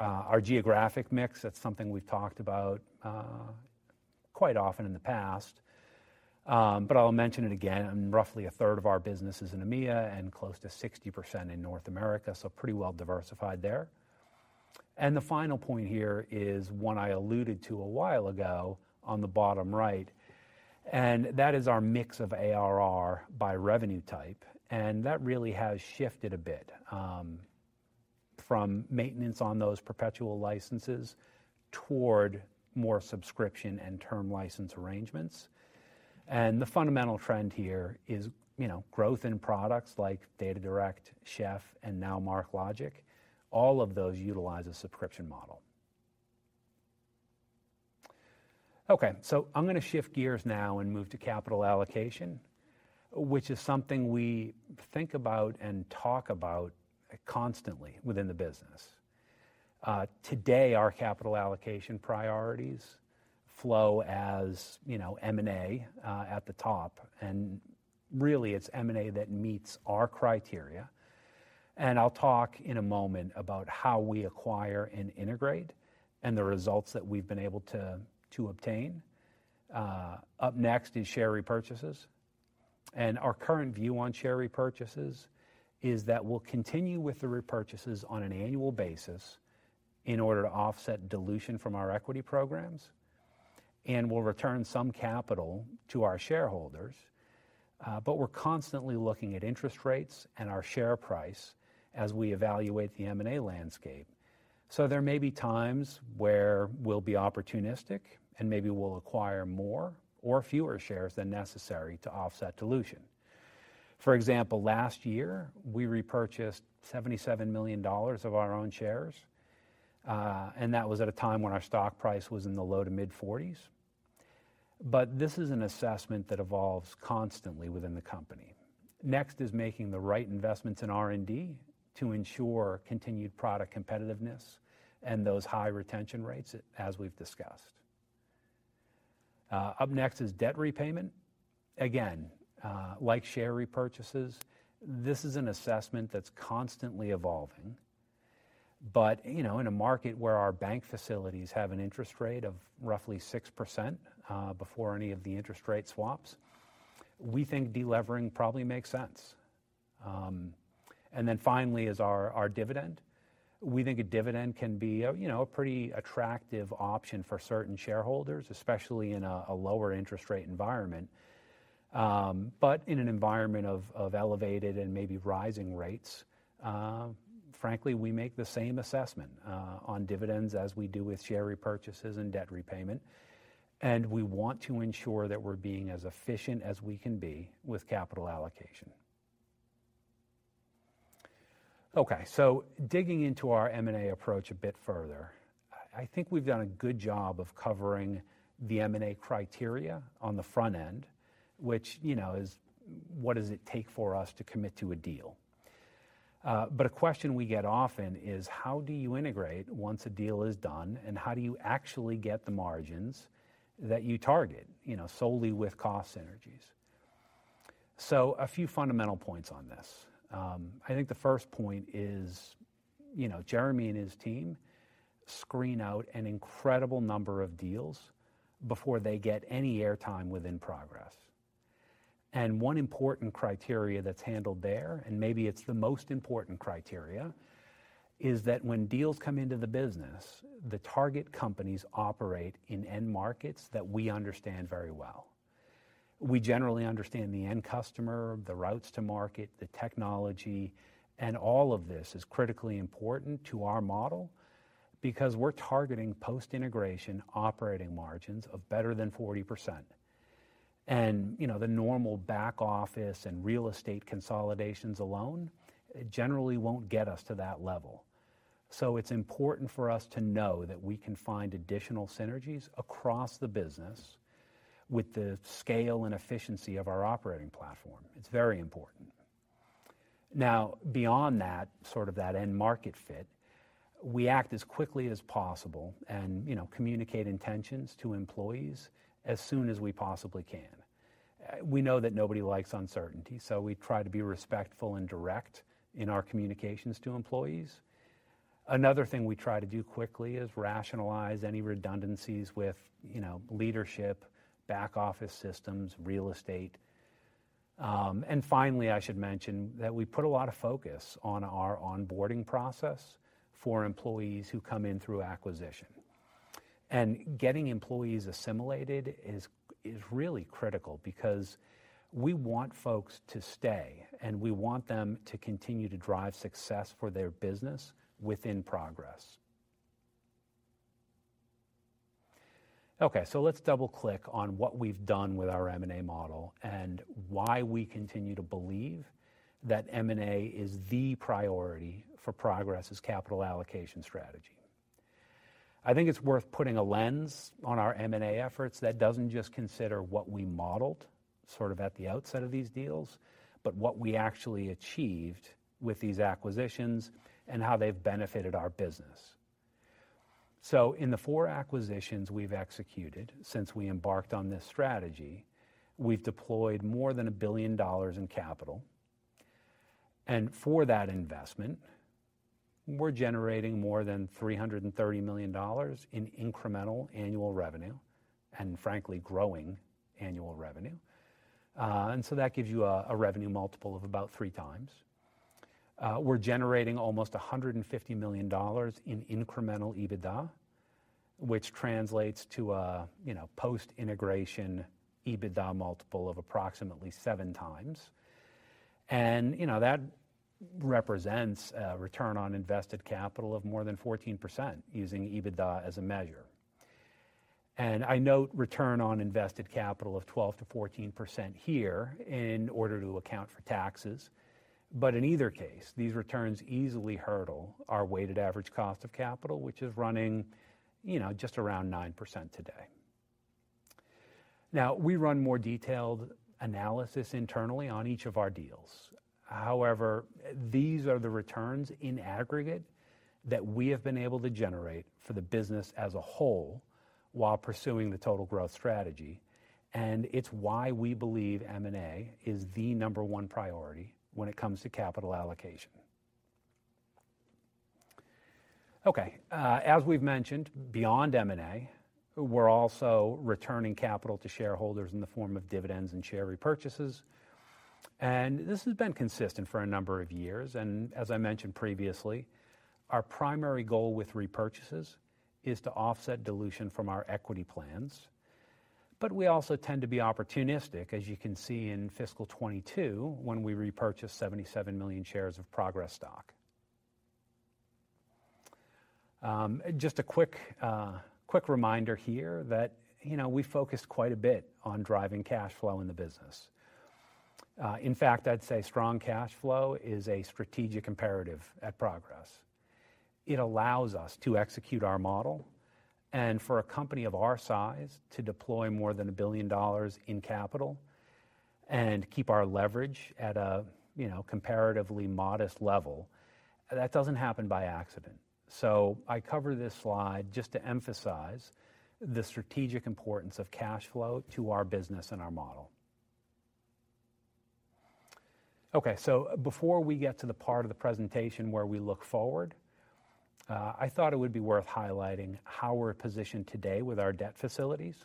Our geographic mix, that's something we've talked about quite often in the past, I'll mention it again. Roughly a third of our business is in EMEA and close to 60% in North America, pretty well diversified there. The final point here is one I alluded to a while ago on the bottom right, and that is our mix of ARR by revenue type. That really has shifted a bit from maintenance on those perpetual licenses toward more subscription and term license arrangements. The fundamental trend here is, you know, growth in products like DataDirect, Chef, and now MarkLogic. All of those utilize a subscription model. I'm gonna shift gears now and move to capital allocation, which is something we think about and talk about constantly within the business. Today, our capital allocation priorities flow as, you know, M&A at the top, and really, it's M&A that meets our criteria. I'll talk in a moment about how we acquire and integrate and the results that we've been able to obtain. Up next is share repurchases. Our current view on share repurchases is that we'll continue with the repurchases on an annual basis in order to offset dilution from our equity programs, and we'll return some capital to our shareholders, but we're constantly looking at interest rates and our share price as we evaluate the M&A landscape. There may be times where we'll be opportunistic and maybe we'll acquire more or fewer shares than necessary to offset dilution. For example, last year, we repurchased $77 million of our own shares, and that was at a time when our stock price was in the low to mid-40s. This is an assessment that evolves constantly within the company. Next is making the right investments in R&D to ensure continued product competitiveness and those high retention rates as we've discussed. Up next is debt repayment. Like share repurchases, this is an assessment that's constantly evolving, but, you know, in a market where our bank facilities have an interest rate of roughly 6%, before any of the interest rate swaps, we think de-levering probably makes sense. Finally is our dividend. We think a dividend can be a, you know, a pretty attractive option for certain shareholders, especially in a lower interest rate environment. In an environment of elevated and maybe rising rates, frankly, we make the same assessment on dividends as we do with share repurchases and debt repayment, and we want to ensure that we're being as efficient as we can be with capital allocation. Digging into our M&A approach a bit further, I think we've done a good job of covering the M&A criteria on the front end, which, you know, is what does it take for us to commit to a deal? A question we get often is: How do you integrate once a deal is done, and how do you actually get the margins that you target, you know, solely with cost synergies? A few fundamental points on this. I think the first point is, you know, Jeremy and his team screen out an incredible number of deals before they get any airtime within Progress. One important criteria that's handled there, and maybe it's the most important criteria, is that when deals come into the business, the target companies operate in end markets that we understand very well. We generally understand the end customer, the routes to market, the technology, all of this is critically important to our model because we're targeting post-integration operating margins of better than 40%. You know, the normal back office and real estate consolidations alone generally won't get us to that level. It's important for us to know that we can find additional synergies across the business with the scale and efficiency of our operating platform. It's very important. Now, beyond that, sort of that end market fit, we act as quickly as possible, you know, communicate intentions to employees as soon as we possibly can. We know that nobody likes uncertainty, we try to be respectful and direct in our communications to employees. Another thing we try to do quickly is rationalize any redundancies with, you know, leadership, back office systems, real estate. Finally, I should mention that we put a lot of focus on our onboarding process for employees who come in through acquisition. Getting employees assimilated is really critical because we want folks to stay, and we want them to continue to drive success for their business within Progress. Let's double click on what we've done with our M&A model and why we continue to believe that M&A is the priority for Progress's capital allocation strategy. I think it's worth putting a lens on our M&A efforts that doesn't just consider what we modeled sort of at the outset of these deals, but what we actually achieved with these acquisitions and how they've benefited our business. In the 4 acquisitions we've executed since we embarked on this strategy, we've deployed more than $1 billion in capital. For that investment, we're generating more than $330 million in incremental annual revenue and frankly, growing annual revenue. That gives you a revenue multiple of about 3x. We're generating almost $150 million in incremental EBITDA, which translates to a, you know, post-integration EBITDA multiple of approximately 7x. You know, that represents a return on invested capital of more than 14% using EBITDA as a measure. I note return on invested capital of 12%-14% here in order to account for taxes. In either case, these returns easily hurdle our weighted average cost of capital, which is running, you know, just around 9% today. Now, we run more detailed analysis internally on each of our deals. However, these are the returns in aggregate that we have been able to generate for the business as a whole while pursuing the total growth strategy, and it's why we believe M&A is the number one priority when it comes to capital allocation. Okay. As we've mentioned, beyond M&A, we're also returning capital to shareholders in the form of dividends and share repurchases. This has been consistent for a number of years, and as I mentioned previously, our primary goal with repurchases is to offset dilution from our equity plans. We also tend to be opportunistic, as you can see in fiscal 2022 when we repurchased 77 million shares of Progress stock. Just a quick reminder here that, you know, we focus quite a bit on driving cash flow in the business. In fact, I'd say strong cash flow is a strategic imperative at Progress. It allows us to execute our model and for a company of our size to deploy more than $1 billion in capital and keep our leverage at a comparatively modest level. That doesn't happen by accident. I cover this slide just to emphasize the strategic importance of cash flow to our business and our model. Before we get to the part of the presentation where we look forward, I thought it would be worth highlighting how we're positioned today with our debt facilities.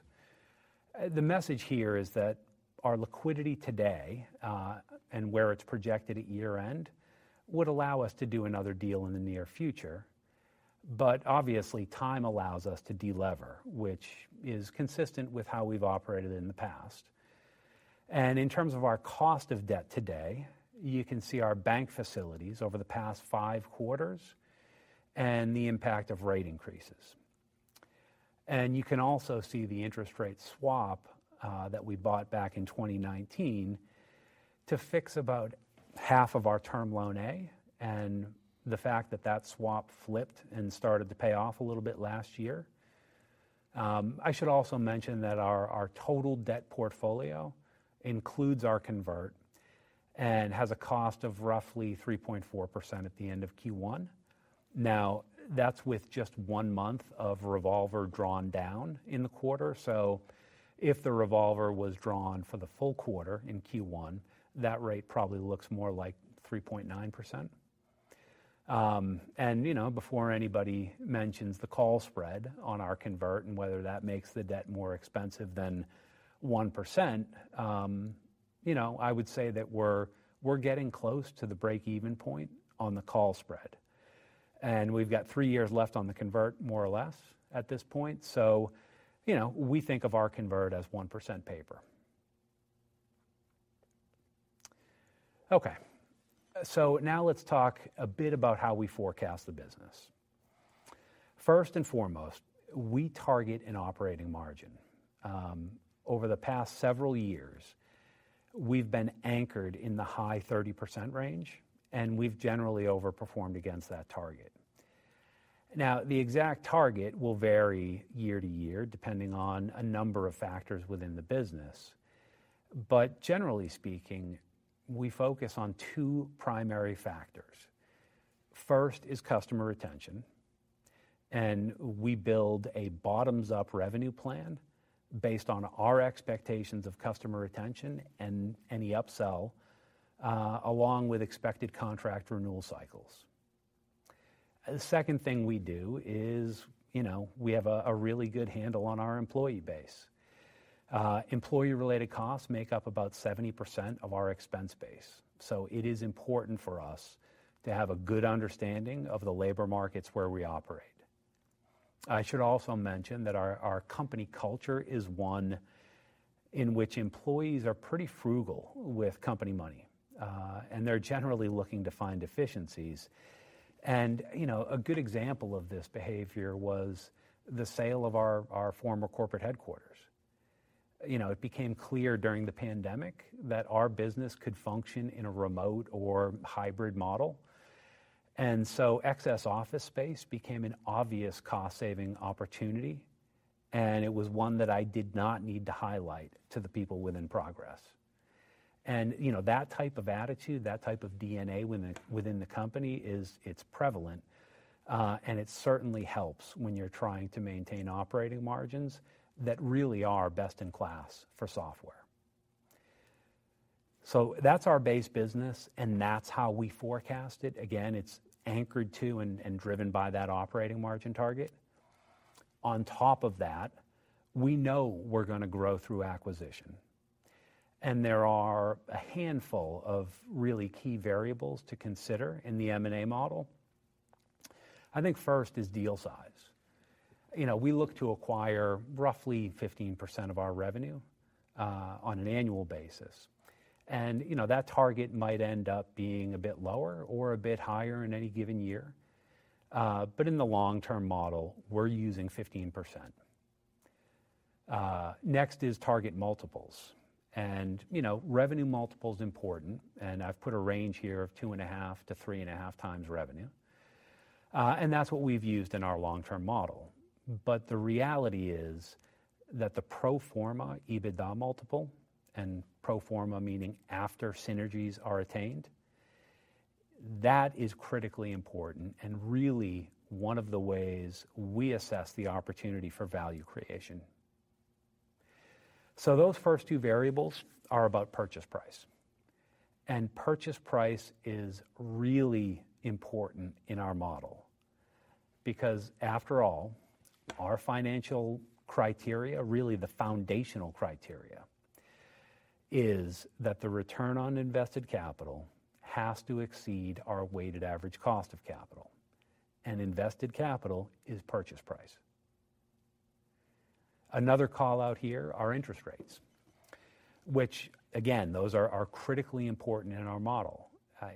The message here is that our liquidity today, and where it's projected at year-end would allow us to do another deal in the near future. Obviously, time allows us to delever, which is consistent with how we've operated in the past. In terms of our cost of debt today, you can see our bank facilities over the past five quarters and the impact of rate increases. You can also see the interest rate swap that we bought back in 2019 to fix about half of our term loan A and the fact that that swap flipped and started to pay off a little bit last year. I should also mention that our total debt portfolio includes our convert and has a cost of roughly 3.4% at the end of Q1. Now, that's with just one month of revolver drawn down in the quarter. So if the revolver was drawn for the full quarter in Q1, that rate probably looks more like 3.9%. You know, before anybody mentions the call spread on our convert and whether that makes the debt more expensive than 1%, you know, I would say that we're getting close to the break-even point on the call spread. We've got 3 years left on the convert, more or less at this point. You know, we think of our convert as 1% paper. Okay. Now let's talk a bit about how we forecast the business. First and foremost, we target an operating margin. Over the past several years, we've been anchored in the high 30% range, and we've generally overperformed against that target. The exact target will vary year to year depending on a number of factors within the business. Generally speaking, we focus on 2 primary factors. First is customer retention. We build a bottoms-up revenue plan based on our expectations of customer retention and any upsell along with expected contract renewal cycles. The second thing we do is, you know, we have a really good handle on our employee base. Employee-related costs make up about 70% of our expense base. It is important for us to have a good understanding of the labor markets where we operate. I should also mention that our company culture is one in which employees are pretty frugal with company money. They're generally looking to find efficiencies. You know, a good example of this behavior was the sale of our former corporate headquarters. You know, it became clear during the pandemic that our business could function in a remote or hybrid model. Excess office space became an obvious cost-saving opportunity, and it was one that I did not need to highlight to the people within Progress. You know, that type of attitude, that type of DNA within the company is, it's prevalent, and it certainly helps when you're trying to maintain operating margins that really are best in class for software. That's our base business, and that's how we forecast it. Again, it's anchored to and driven by that operating margin target. On top of that, we know we're gonna grow through acquisition. There are a handful of really key variables to consider in the M&A model. I think first is deal size. You know, we look to acquire roughly 15% of our revenue on an annual basis. You know, that target might end up being a bit lower or a bit higher in any given year. But in the long-term model, we're using 15%. Next is target multiples. You know, revenue multiple's important, and I've put a range here of 2.5x-3.5x revenue. And that's what we've used in our long-term model. The reality is that the pro forma EBITDA multiple, and pro forma meaning after synergies are attained, that is critically important and really one of the ways we assess the opportunity for value creation. Those first two variables are about purchase price, and purchase price is really important in our model because after all, our financial criteria, really the foundational criteria, is that the return on invested capital has to exceed our weighted average cost of capital, and invested capital is purchase price. Another call-out here are interest rates, which again, those are critically important in our model.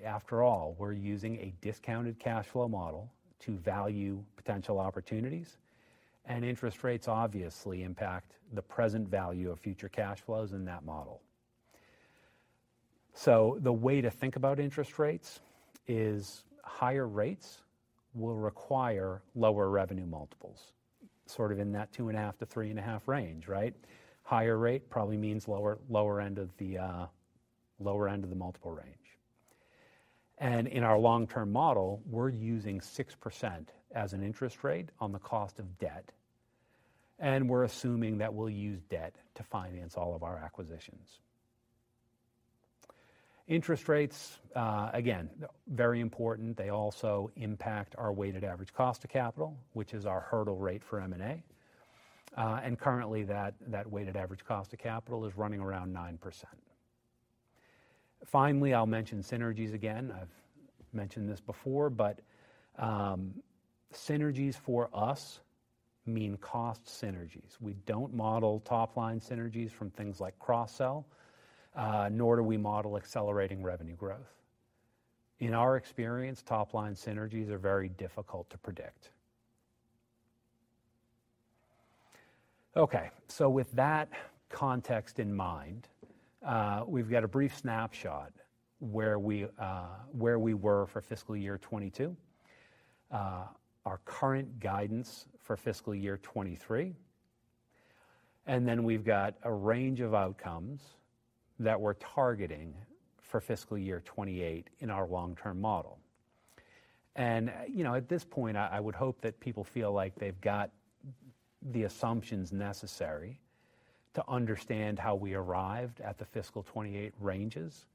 After all, we're using a discounted cash flow model to value potential opportunities, and interest rates obviously impact the present value of future cash flows in that model. The way to think about interest rates is higher rates will require lower revenue multiples, sort of in that 2.5-3.5 range, right? Higher rate probably means lower end of the multiple range. In our long-term model, we're using 6% as an interest rate on the cost of debt, and we're assuming that we'll use debt to finance all of our acquisitions. Interest rates, again, very important. They also impact our weighted average cost of capital, which is our hurdle rate for M&A. Currently that weighted average cost of capital is running around 9%. Finally, I'll mention synergies again. I've mentioned this before, but synergies for us mean cost synergies. We don't model top-line synergies from things like cross-sell, nor do we model accelerating revenue growth. In our experience, top-line synergies are very difficult to predict. Okay, with that context in mind, we've got a brief snapshot where we were for fiscal year 2022, our current guidance for fiscal year 2023, we've got a range of outcomes that we're targeting for fiscal year 2028 in our long-term model. You know, at this point, I would hope that people feel like they've got the assumptions necessary to understand how we arrived at the fiscal 2028 ranges.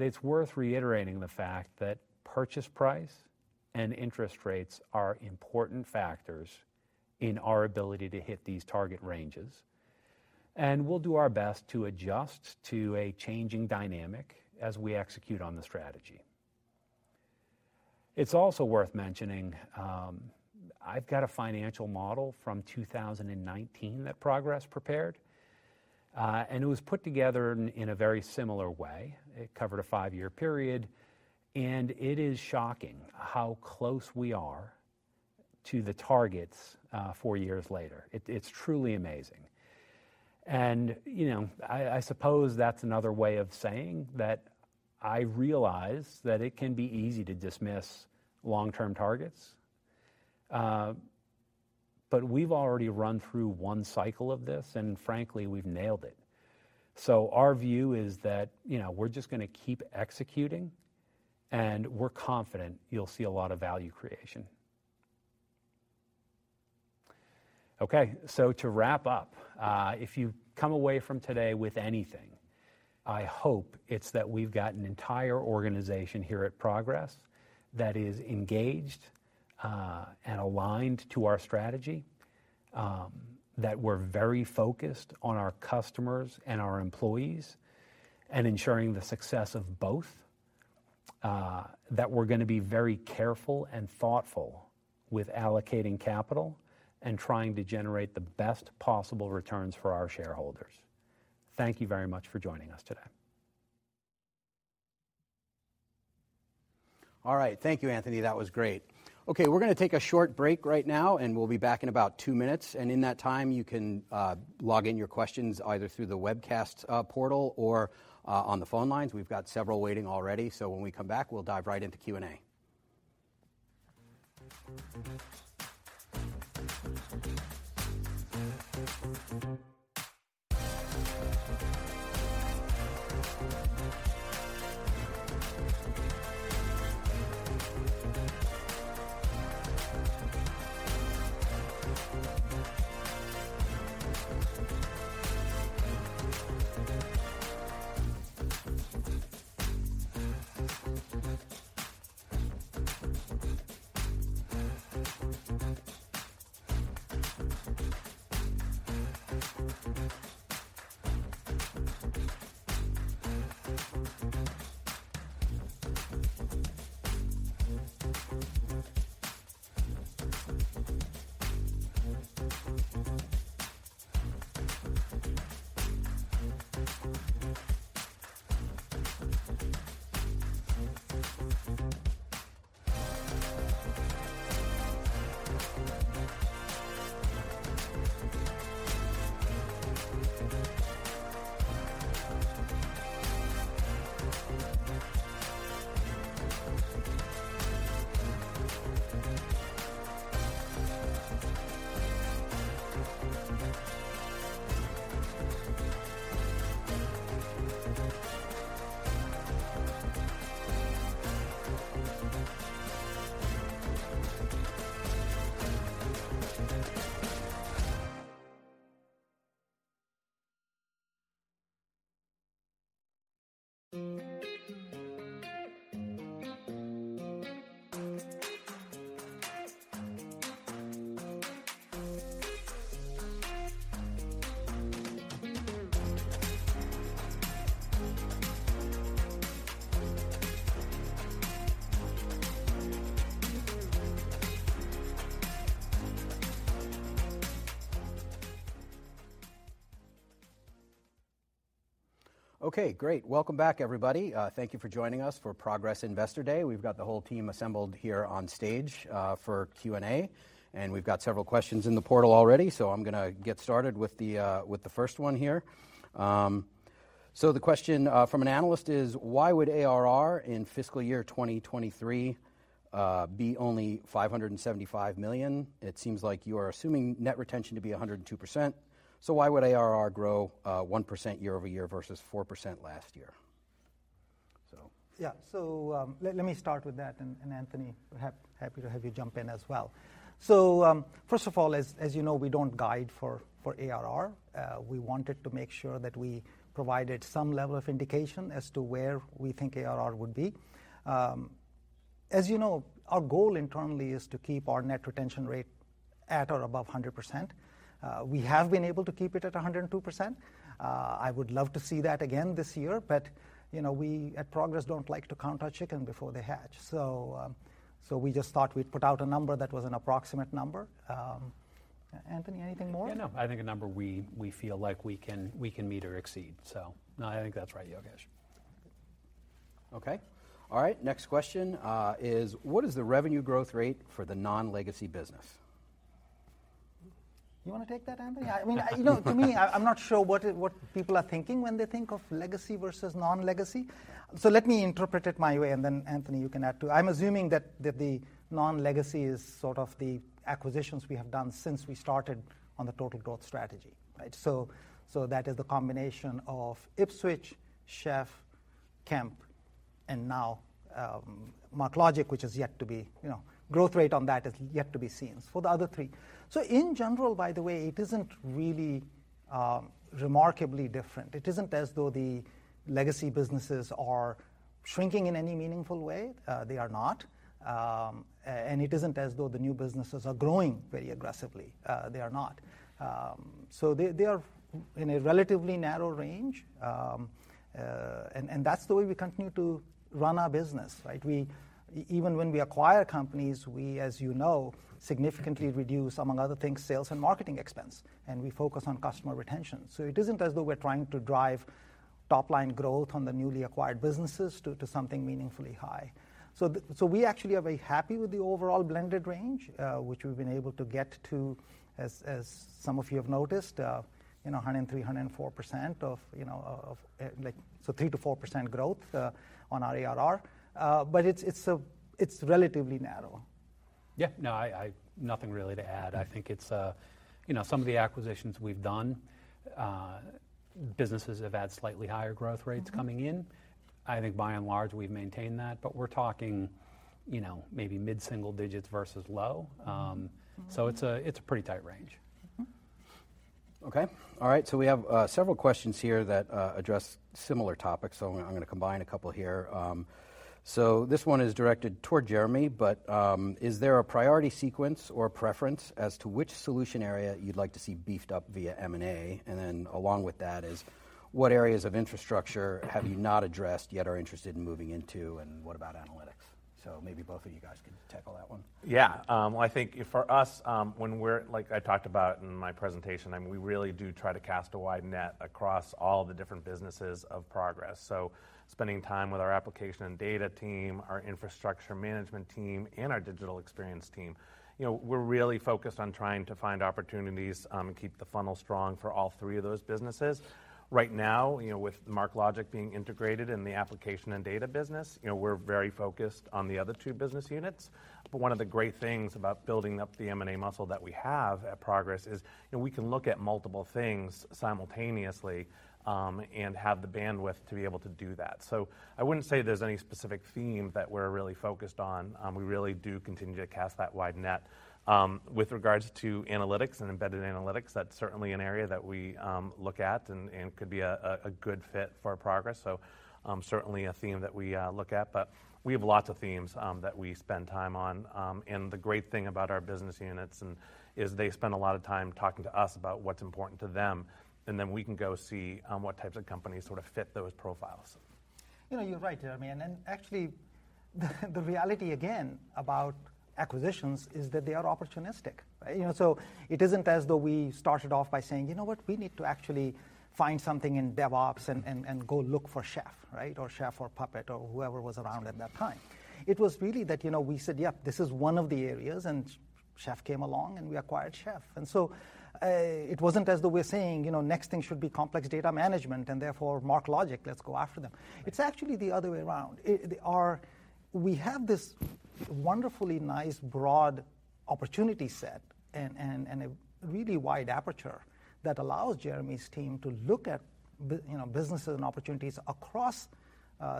It's worth reiterating the fact that purchase price and interest rates are important factors in our ability to hit these target ranges, we'll do our best to adjust to a changing dynamic as we execute on the strategy. It's also worth mentioning, I've got a financial model from 2019 that Progress prepared, it was put together in a very similar way. It covered a five-year period, and it is shocking how close we are to the targets, four years later. It's truly amazing. And, you know, I suppose that's another way of saying that I realize that it can be easy to dismiss long-term targets. But we've already run through one cycle of this, and frankly, we've nailed it. Our view is that, you know, we're just gonna keep executing, and we're confident you'll see a lot of value creation. Okay, to wrap up, if you come away from today with anything, I hope it's that we've got an entire organization here at Progress that is engaged, and aligned to our strategy. That we're very focused on our customers and our employees and ensuring the success of both. That we're gonna be very careful and thoughtful with allocating capital and trying to generate the best possible returns for our shareholders. Thank you very much for joining us today. All right. Thank you, Anthony. That was great. We're gonna take a short break right now, we'll be back in about 2 minutes. In that time, you can log in your questions either through the webcast portal or on the phone lines. We've got several waiting already. When we come back, we'll dive right into Q&A. Great. Welcome back, everybody. Thank you for joining us for Progress Investor Day. We've got the whole team assembled here on stage for Q&A, and we've got several questions in the portal already. I'm gonna get started with the first one here. The question from an analyst is, "Why would ARR in fiscal year 2023 be only $575 million? It seems like you are assuming net retention to be 102%. Why would ARR grow 1% year-over-year versus 4% last year? Yeah. Let me start with that, Anthony, happy to have you jump in as well. First of all, as you know, we don't guide for ARR. We wanted to make sure that we provided some level of indication as to where we think ARR would be. As you know, our goal internally is to keep our net retention rate at or above 100%. We have been able to keep it at 102%. I would love to see that again this year. You know, we at Progress Software don't like to count our chicken before they hatch. We just thought we'd put out a number that was an approximate number. Anthony, anything more? Yeah, no. I think a number we feel like we can meet or exceed. No, I think that's right, Yogesh. Okay. All right. Next question is, "What is the revenue growth rate for the non-legacy business? You wanna take that, Anthony? I mean, you know, to me, I'm not sure what people are thinking when they think of legacy versus non-legacy. Let me interpret it my way, and then Anthony, you can add, too. I'm assuming that the non-legacy is sort of the acquisitions we have done since we started on the Total Growth Strategy, right? That is the combination of Ipswitch, Chef, Kemp, and now, MarkLogic, which is yet to be, you know, growth rate on that is yet to be seen. For the other three. In general, by the way, it isn't really remarkably different. It isn't as though the legacy businesses are shrinking in any meaningful way. They are not. And it isn't as though the new businesses are growing very aggressively. They are not. They are in a relatively narrow range, and that's the way we continue to run our business, right? Even when we acquire companies, we, as you know, significantly reduce, among other things, sales and marketing expense, and we focus on customer retention. So it isn't as though we're trying to drive Top line growth on the newly acquired businesses to something meaningfully high. So we actually are very happy with the overall blended range, which we've been able to get to as some of you have noticed, you know, 103%, 104% of, you know, of, like 3%-4% growth on our ARR. But it's relatively narrow. Yeah. No, I... Nothing really to add. I think it's, you know, some of the acquisitions we've done, businesses have had slightly higher growth rates coming in. I think by and large, we've maintained that. We're talking, you know, maybe mid-single digits versus low. It's a pretty tight range. Mm-hmm. Okay. All right. We have several questions here that address similar topics, so I'm gonna combine a couple here. This one is directed toward Jeremy, but is there a priority sequence or preference as to which solution area you'd like to see beefed up via M&A? Along with that is, what areas of infrastructure have you not addressed yet are interested in moving into, and what about analytics? Maybe both of you guys can tackle that one. Yeah. Well, I think for us, like I talked about in my presentation, I mean, we really do try to cast a wide net across all the different businesses of Progress. Spending time with our application and data team, our infrastructure management team, and our digital experience team. You know, we're really focused on trying to find opportunities, and keep the funnel strong for all three of those businesses. Right now, you know, with MarkLogic being integrated in the application and data business, you know, we're very focused on the other two business units. One of the great things about building up the M&A muscle that we have at Progress is, you know, we can look at multiple things simultaneously, and have the bandwidth to be able to do that. I wouldn't say there's any specific theme that we're really focused on. We really do continue to cast that wide net. With regards to analytics and embedded analytics, that's certainly an area that we look at and could be a good fit for Progress. Certainly a theme that we look at. We have lots of themes that we spend time on. The great thing about our business units is they spend a lot of time talking to us about what's important to them, and then we can go see what types of companies sort of fit those profiles. You know, you're right, Jeremy. Actually, the reality again about acquisitions is that they are opportunistic, right? You know, it isn't as though we started off by saying, "You know what? We need to actually find something in DevOps and go look for Chef," right? Chef or Puppet or whoever was around at that time. It was really that, you know, we said, "Yep, this is one of the areas," and Chef came along, and we acquired Chef. It wasn't as though we're saying, "You know, next thing should be complex data management and therefore MarkLogic, let's go after them." It's actually the other way around. We have this wonderfully nice broad opportunity set and a really wide aperture that allows Jeremy's team to look at you know, businesses and opportunities across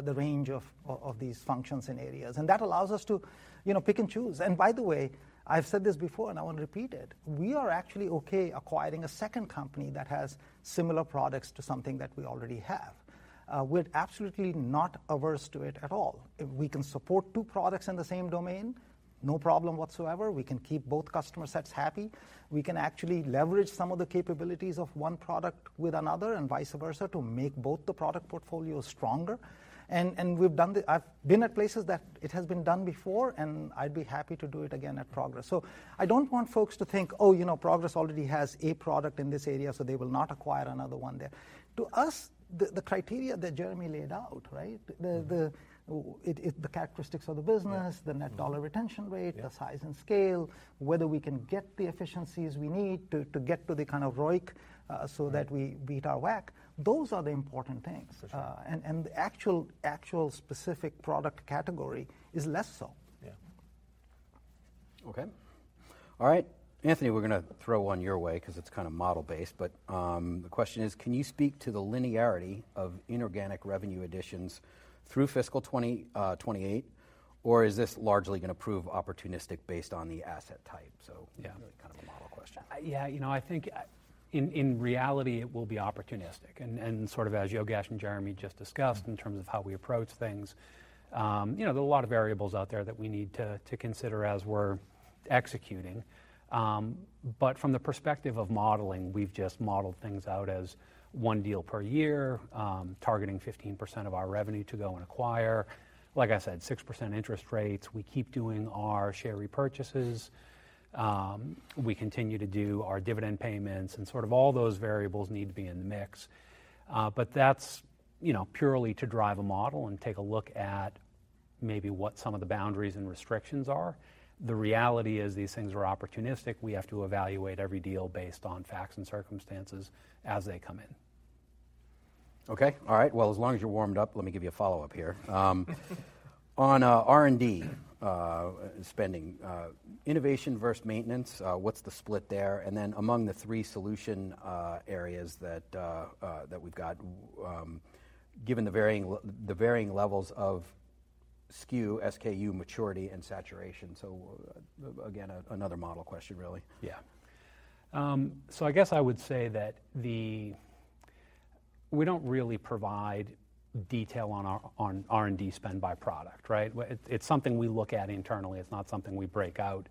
the range of these functions and areas, and that allows us to, you know, pick and choose. By the way, I've said this before I wanna repeat it, we are actually okay acquiring a second company that has similar products to something that we already have. We're absolutely not averse to it at all. If we can support two products in the same domain, no problem whatsoever. We can keep both customer sets happy. We can actually leverage some of the capabilities of one product with another and vice versa to make both the product portfolios stronger. We've done it. I've been at places that it has been done before. I'd be happy to do it again at Progress. I don't want folks to think, "Oh, you know, Progress already has a product in this area, so they will not acquire another one there." To us, the criteria that Jeremy laid out, right? The characteristics of the business. Yeah. The net dollar retention rate. Yeah. the size and scale, whether we can get the efficiencies we need to get to the kind of ROIC, so that we beat our WACC. Those are the important things. For sure. The actual specific product category is less so. Yeah. Okay. All right. Anthony, we're gonna throw one your way 'cause it's kinda model based. The question is, can you speak to the linearity of inorganic revenue additions through fiscal 2028, or is this largely gonna prove opportunistic based on the asset type? Yeah. really kind of a model question. Yeah. You know, I think in reality, it will be opportunistic and sort of as Yogesh and Jeremy just discussed in terms of how we approach things. You know, there are a lot of variables out there that we need to consider as we're executing. From the perspective of modeling, we've just modeled things out as one deal per year, targeting 15% of our revenue to go and acquire. Like I said, 6% interest rates. We keep doing our share repurchases. We continue to do our dividend payments, and sort of all those variables need to be in the mix. That's, you know, purely to drive a model and take a look at maybe what some of the boundaries and restrictions are. The reality is these things are opportunistic. We have to evaluate every deal based on facts and circumstances as they come in. Okay. All right. Well, as long as you're warmed up, let me give you a follow-up here. On R&D spending, innovation versus maintenance, what's the split there? Then among the three solution areas that that we've got, given the varying levels of SKU, S-K-U maturity and saturation. Again, another model question really. I guess I would say that the... We don't really provide detail on our R&D spend by product, right? It's something we look at internally. It's not something we break out,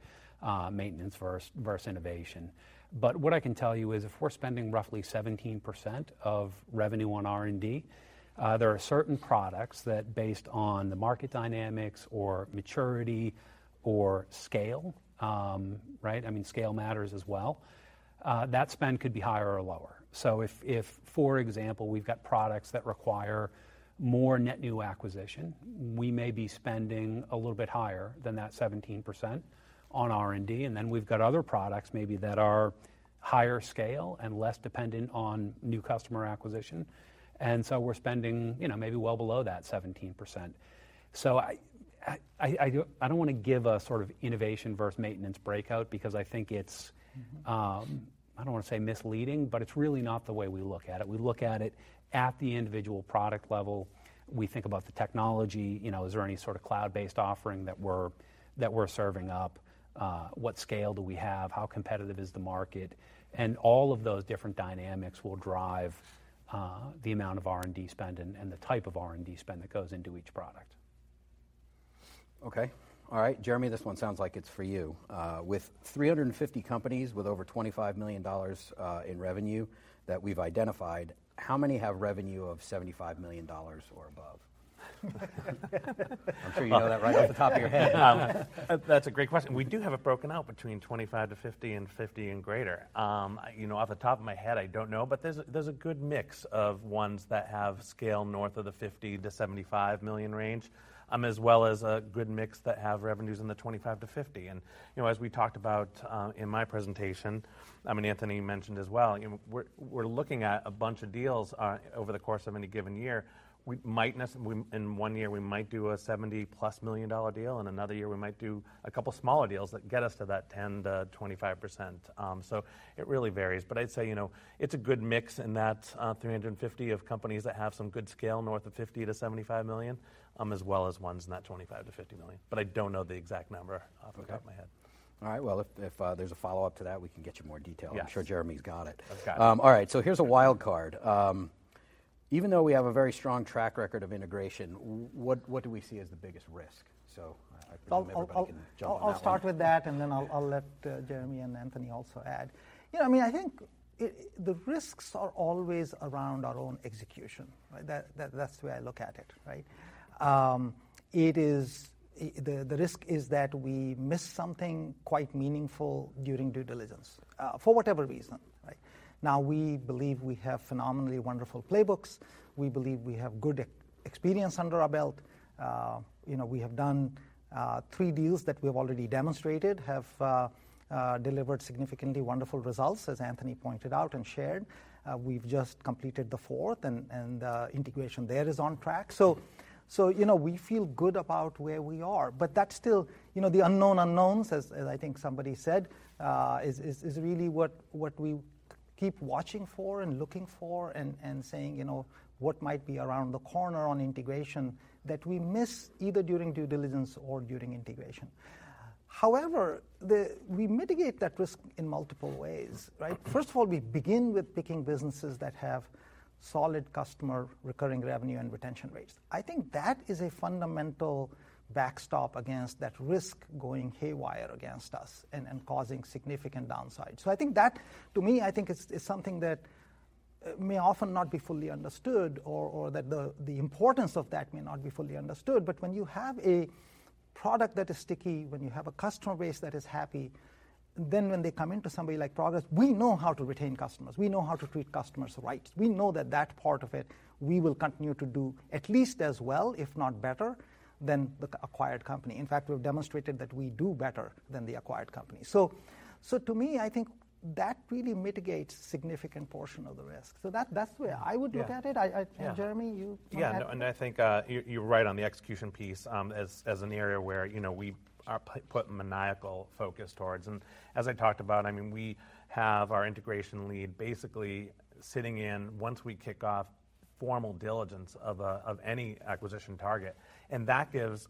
maintenance versus innovation. What I can tell you is if we're spending roughly 17% of revenue on R&D, there are certain products that based on the market dynamics or maturity or scale, right? I mean, scale matters as well, that spend could be higher or lower. If for example, we've got products that require more net new acquisition, we may be spending a little bit higher than that 17% on R&D. We've got other products maybe that are higher scale and less dependent on new customer acquisition. We're spending, you know, maybe well below that 17%. I don't wanna give a sort of innovation versus maintenance breakout because I think it's, I don't wanna say misleading, but it's really not the way we look at it. We look at it at the individual product level. We think about the technology, you know, is there any sort of cloud-based offering that we're serving up? What scale do we have? How competitive is the market? All of those different dynamics will drive the amount of R&D spend and the type of R&D spend that goes into each product. Okay. All right. Jeremy, this one sounds like it's for you. With 350 companies with over $25 million in revenue that we've identified, how many have revenue of $75 million or above? I'm sure you know that right off the top of your head. That's a great question. We do have it broken out between $25 million-$50 million and $50 million and greater. You know, off the top of my head, I don't know, but there's a good mix of ones that have scale north of the $50 million-$75 million range, as well as a good mix that have revenues in the $25 million-$50 million. You know, as we talked about in my presentation, I mean, Anthony mentioned as well, you know, we're looking at a bunch of deals over the course of any given year. In one year, we might do a $70+ million deal, and another year we might do a couple smaller deals that get us to that 10%-25%. It really varies. I'd say, you know, it's a good mix in that, 350 of companies that have some good scale north of $50 million-$75 million, as well as ones in that $25 million-$50 million. I don't know the exact number off the top of my head. All right. Well, if there's a follow-up to that, we can get you more detail. Yes. I'm sure Jeremy's got it. Okay. All right. Here's a wild card. Even though we have a very strong track record of integration, what do we see as the biggest risk? I think maybe everybody can jump on that one. I'll start with that, and then I'll let Jeremy and Anthony also add. You know, I mean, I think the risks are always around our own execution, right? That's the way I look at it, right? The risk is that we miss something quite meaningful during due diligence for whatever reason, right? Now, we believe we have phenomenally wonderful playbooks. We believe we have good experience under our belt. You know, we have done three deals that we've already demonstrated, have delivered significantly wonderful results, as Anthony pointed out and shared. We've just completed the fourth, and integration there is on track. You know, we feel good about where we are, but that's still, you know, the unknown unknowns, as I think somebody said, is really what we keep watching for and looking for and saying, you know, what might be around the corner on integration that we miss either during due diligence or during integration. However, we mitigate that risk in multiple ways, right? First of all, we begin with picking businesses that have solid customer recurring revenue and retention rates. I think that is a fundamental backstop against that risk going haywire against us and causing significant downside. I think that, to me, I think is something that may often not be fully understood or that the importance of that may not be fully understood. When you have a product that is sticky, when you have a customer base that is happy, then when they come into somebody like Progress, we know how to retain customers. We know how to treat customers right. We know that that part of it, we will continue to do at least as well, if not better, than the acquired company. In fact, we've demonstrated that we do better than the acquired company. To me, I think that really mitigates significant portion of the risk. That's the way I would look at it. Yeah. Yeah. I... Jeremy, you want to add? No, I think, you're right on the execution piece, as an area where, you know, we are putting maniacal focus towards. As I talked about, I mean, we have our integration lead basically sitting in once we kick off formal diligence of any acquisition target, and that gives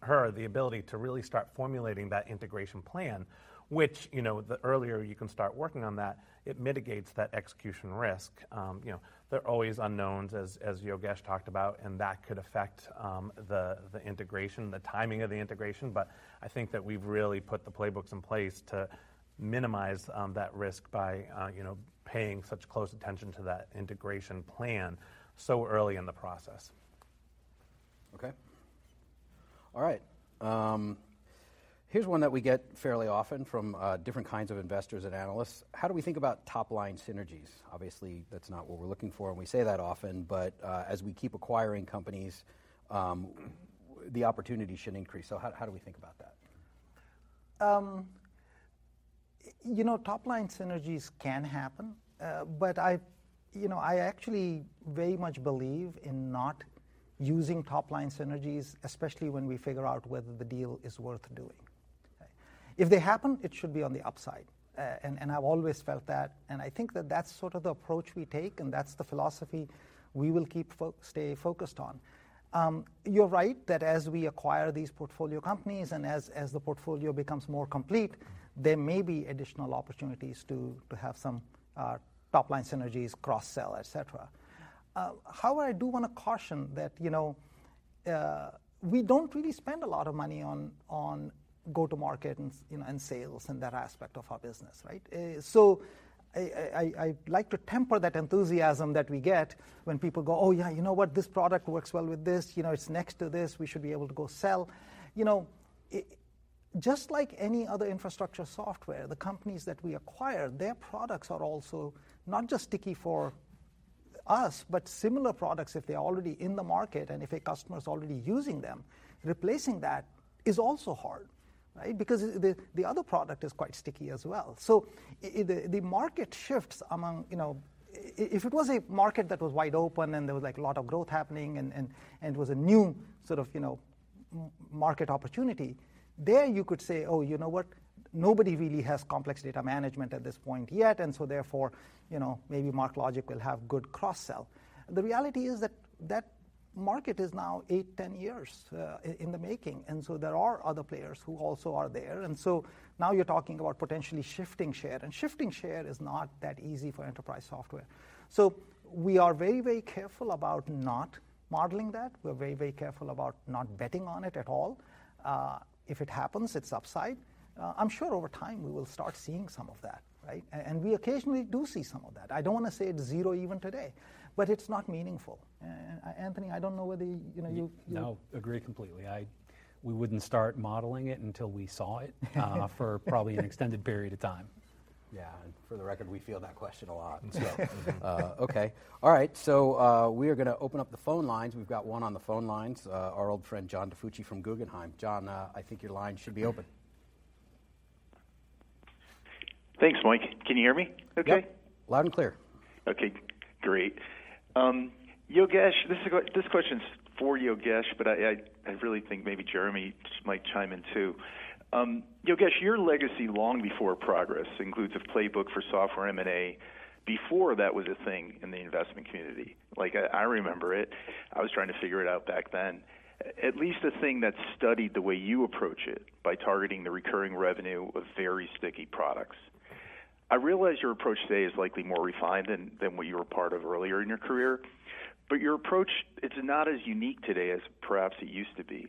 her the ability to really start formulating that integration plan, which, you know, the earlier you can start working on that, it mitigates that execution risk. You know, there are always unknowns, as Yogesh talked about, and that could affect the integration, the timing of the integration. I think that we've really put the playbooks in place to minimize that risk by, you know, paying such close attention to that integration plan so early in the process. Okay. All right. Here's one that we get fairly often from different kinds of investors and analysts. How do we think about top-line synergies? Obviously, that's not what we're looking for, and we say that often. As we keep acquiring companies, the opportunity should increase. How do we think about that? You know, top-line synergies can happen. I, you know, I actually very much believe in not using top-line synergies, especially when we figure out whether the deal is worth doing, right? If they happen, it should be on the upside. I've always felt that, and I think that that's sort of the approach we take, and that's the philosophy we will keep stay focused on. You're right that as we acquire these portfolio companies and as the portfolio becomes more complete, there may be additional opportunities to have some top-line synergies, cross-sell, et cetera. However, I do wanna caution that, you know, we don't really spend a lot of money on go-to-market and, you know, and sales and that aspect of our business, right? I'd like to temper that enthusiasm that we get when people go, "Oh, yeah, you know what? This product works well with this. You know, it's next to this. We should be able to go sell." You know, Just like any other infrastructure software, the companies that we acquire, their products are also not just sticky for us, but similar products, if they're already in the market, and if a customer is already using them, replacing that is also hard, right? Because the other product is quite sticky as well. The market shifts among, you know. If it was a market that was wide open, and there was, like, a lot of growth happening and it was a new sort of, you know, market opportunity, there you could say, "Oh, you know what? Nobody really has complex data management at this point yet, therefore, you know, maybe MarkLogic will have good cross-sell. The reality is that that market is now eight, 10 years in the making, there are other players who also are there. Now you're talking about potentially shifting share, and shifting share is not that easy for enterprise software. We are very, very careful about not modeling that. We're very, very careful about not betting on it at all. If it happens, it's upside. I'm sure over time we will start seeing some of that, right? We occasionally do see some of that. I don't wanna say it's zero even today, but it's not meaningful. Anthony, I don't know whether, you know, you. No, agree completely. We wouldn't start modeling it until we saw it for probably an extended period of time. Yeah. For the record, we field that question a lot, so. Okay. All right. We are gonna open up the phone lines. We've got one on the phone lines, our old friend John DiFucci from Guggenheim. John, I think your line should be open. Thanks, Mike. Can you hear me okay? Yep. Loud and clear. Okay, great. Yogesh, this question's for Yogesh, but I really think maybe Jeremy might chime in too. Yogesh, your legacy long before Progress includes a playbook for software M&A before that was a thing in the investment community. Like, I remember it. I was trying to figure it out back then. At least a thing that's studied the way you approach it by targeting the recurring revenue of very sticky products. I realize your approach today is likely more refined than what you were a part of earlier in your career. Your approach, it's not as unique today as perhaps it used to be.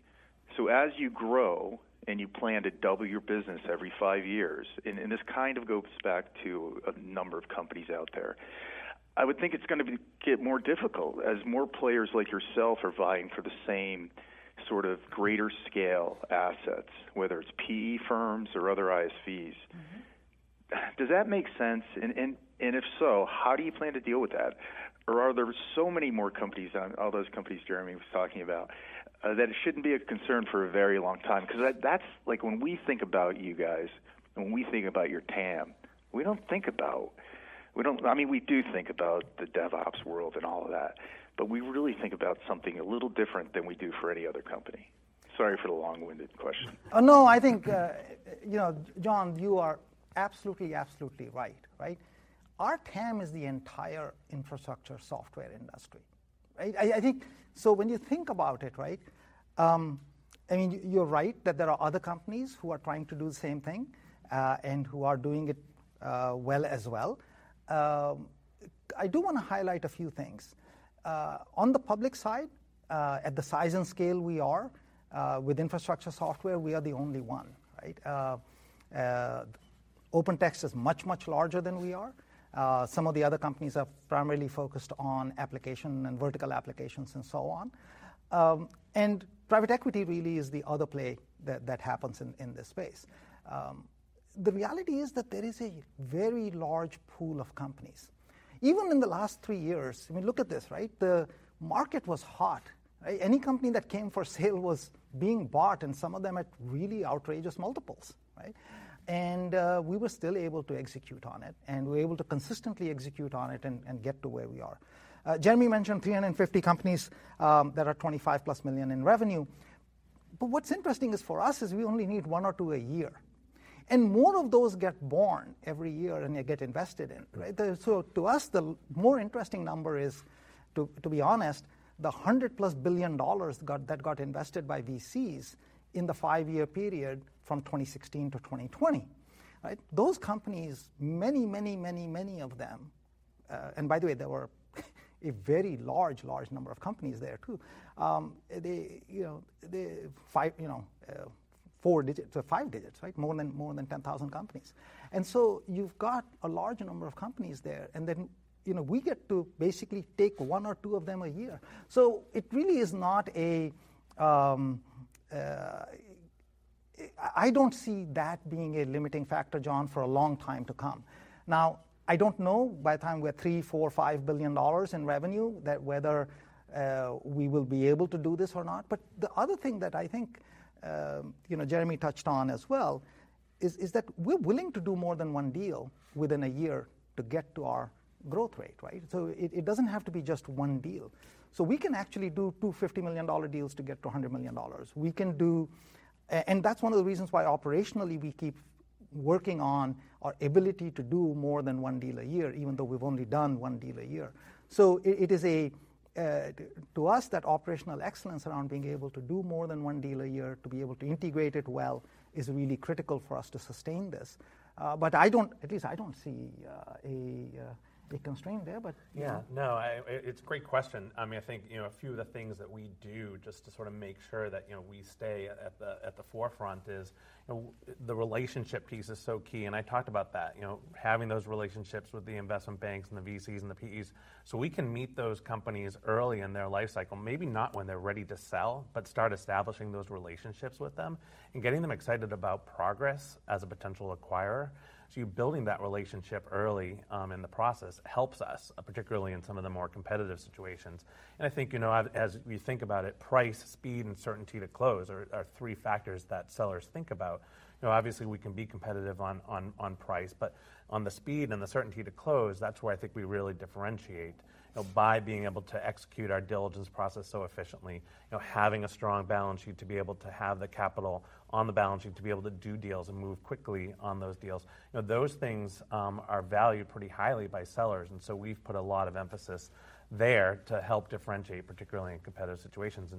As you grow and you plan to double your business every five years, and this kind of goes back to a number of companies out there, I would think it's gonna get more difficult as more players like yourself are vying for the same sort of greater scale assets, whether it's PE firms or other ISVs. Mm-hmm. Does that make sense? If so, how do you plan to deal with that? Are there so many more companies on all those companies Jeremy was talking about that it shouldn't be a concern for a very long time? Because that's. Like when we think about you guys and when we think about your TAM, we don't think about. I mean, we do think about the DevOps world and all of that, but we really think about something a little different than we do for any other company. Sorry for the long-winded question. Oh, no. I think, you know, John, you are absolutely right? Our TAM is the entire infrastructure software industry, right? I think when you think about it, right, I mean, you're right that there are other companies who are trying to do the same thing and who are doing it well as well. I do wanna highlight a few things. On the public side, at the size and scale we are, with infrastructure software, we are the only one, right? OpenText is much larger than we are. Some of the other companies are primarily focused on application and vertical applications and so on. Private equity really is the other play that happens in this space. The reality is that there is a very large pool of companies. Even in the last three years, I mean, look at this, right? The market was hot, right? Any company that came for sale was being bought, and some of them at really outrageous multiples, right? We were still able to execute on it, and we're able to consistently execute on it and get to where we are. Jeremy mentioned 350 companies that are $25+ million in revenue. What's interesting is for us is we only need one or two a year. More of those get born every year than they get invested in, right? To us, the more interesting number is, to be honest, the $100+ billion that got invested by VCs in the five-year period from 2016 to 2020, right? Those companies, many of them, and by the way, there were a very large number of companies there too. They, you know, 5, you know, 4 digits or 5 digits, right? More than 10,000 companies. You've got a large number of companies there, and then, you know, we get to basically take 1 or 2 of them a year. It really is not a limiting factor, John, for a long time to come. I don't know by the time we're $3 billion, $4 billion, $5 billion in revenue that whether we will be able to do this or not. The other thing that I think, you know, Jeremy touched on as well is that we're willing to do more than one deal within a year to get to our growth rate, right? It doesn't have to be just one deal. We can actually do 2 $50 million deals to get to $100 million. That's one of the reasons why operationally we keep working on our ability to do more than one deal a year, even though we've only done one deal a year. It is to us, that operational excellence around being able to do more than one deal a year, to be able to integrate it well is really critical for us to sustain this. I don't see a constraint there. Yeah. No, I. It's a great question. I mean, I think, you know, a few of the things that we do just to sort of make sure that, you know, we stay at the, at the forefront is, you know, the relationship piece is so key, and I talked about that. You know, having those relationships with the investment banks and the VCs and the PEs, so we can meet those companies early in their life cycle. Maybe not when they're ready to sell, but start establishing those relationships with them and getting them excited about Progress as a potential acquirer. Building that relationship early in the process helps us, particularly in some of the more competitive situations. I think, you know, as we think about it, price, speed, and certainty to close are three factors that sellers think about. You know, obviously, we can be competitive on price, but on the speed and the certainty to close, that's where I think we really differentiate, you know, by being able to execute our diligence process so efficiently. You know, having a strong balance sheet to be able to have the capital on the balance sheet, to be able to do deals and move quickly on those deals. You know, those things are valued pretty highly by sellers, and so we've put a lot of emphasis there to help differentiate, particularly in competitive situations.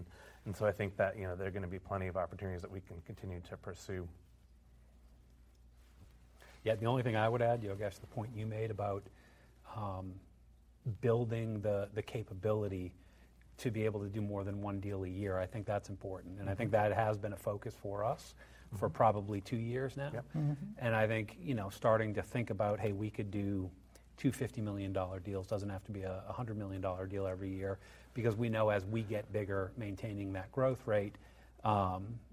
I think that, you know, there are gonna be plenty of opportunities that we can continue to pursue. Yeah. The only thing I would add, Yogesh, the point you made about, building the capability to be able to do more than 1 deal a year, I think that's important. I think that has been a focus for us for probably 2 years now. Yep. Mm-hmm. I think, you know, starting to think about, hey, we could do $250 million deals, doesn't have to be a $100 million deal every year. Because we know as we get bigger, maintaining that growth rate,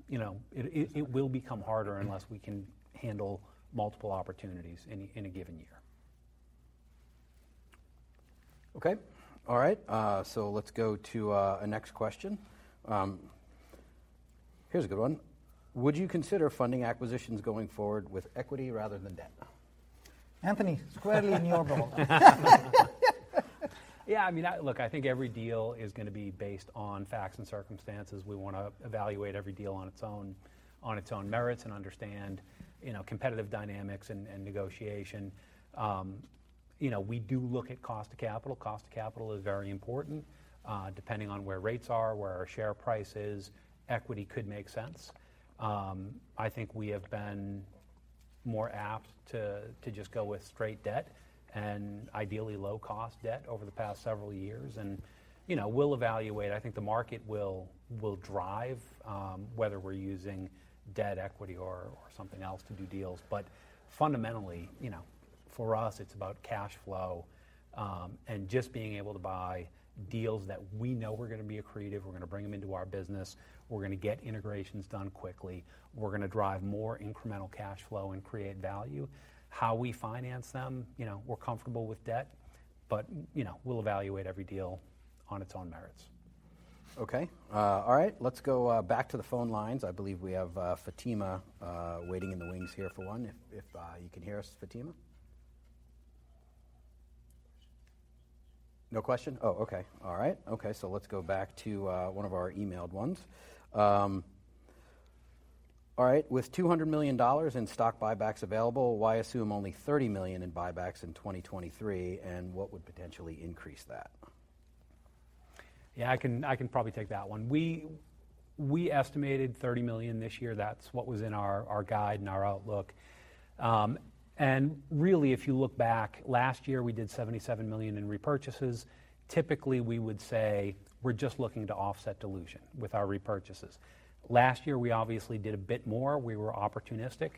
you know, it will become harder unless we can handle multiple opportunities in a given year. Okay. All right. Let's go to a next question. Here's a good one. Would you consider funding acquisitions going forward with equity rather than debt? Anthony, squarely in your ball park. Yeah. I mean, Look, I think every deal is gonna be based on facts and circumstances. We wanna evaluate every deal on its own, on its own merits and understand, you know, competitive dynamics and negotiation. You know, we do look at cost to capital. Cost to capital is very important. Depending on where rates are, where our share price is, equity could make sense. I think we have been more apt to just go with straight debt and ideally low cost debt over the past several years. You know, we'll evaluate. I think the market will drive, whether we're using debt equity or something else to do deals. Fundamentally, you know, for us it's about cash flow, and just being able to buy deals that we know we're gonna be accretive, we're gonna bring them into our business, we're gonna get integrations done quickly, we're gonna drive more incremental cash flow and create value. How we finance them, you know, we're comfortable with debt, but, you know, we'll evaluate every deal on its own merits. Okay. All right. Let's go back to the phone lines. I believe we have Fatima waiting in the wings here for one. If you can hear us, Fatima. No question? Okay. All right. Okay. Let's go back to one of our emailed ones. All right. With $200 million in stock buybacks available, why assume only $30 million in buybacks in 2023, and what would potentially increase that? Yeah, I can probably take that one. We estimated $30 million this year. That's what was in our guide and our outlook. Really if you look back, last year we did $77 million in repurchases. Typically, we would say we're just looking to offset dilution with our repurchases. Last year, we obviously did a bit more. We were opportunistic.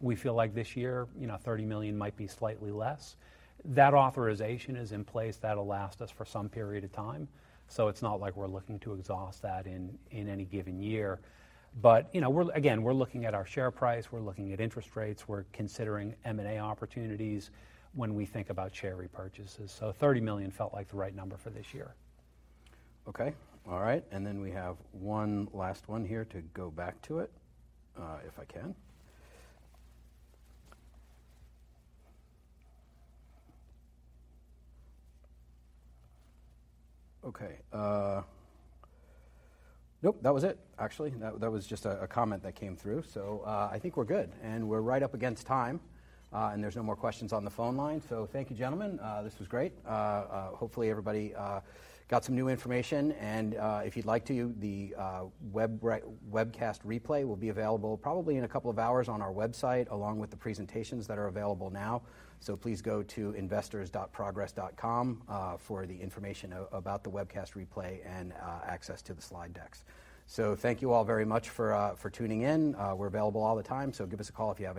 We feel like this year, you know, $30 million might be slightly less. That authorization is in place. That'll last us for some period of time, so it's not like we're looking to exhaust that in any given year. You know, again, we're looking at our share price, we're looking at interest rates, we're considering M&A opportunities when we think about share repurchases. $30 million felt like the right number for this year. Okay. All right. Then we have one last one here to go back to it, if I can. Okay. Nope, that was it. Actually, that was just a comment that came through. I think we're good, and we're right up against time, and there's no more questions on the phone line. Thank you, gentlemen. This was great. Hopefully, everybody got some new information and, if you'd like to, the webcast replay will be available probably in a couple of hours on our website, along with the presentations that are available now. Please go to investors.progress.com, for the information about the webcast replay and, access to the slide decks. Thank you all very much for tuning in. We're available all the time, so give us a call if you have.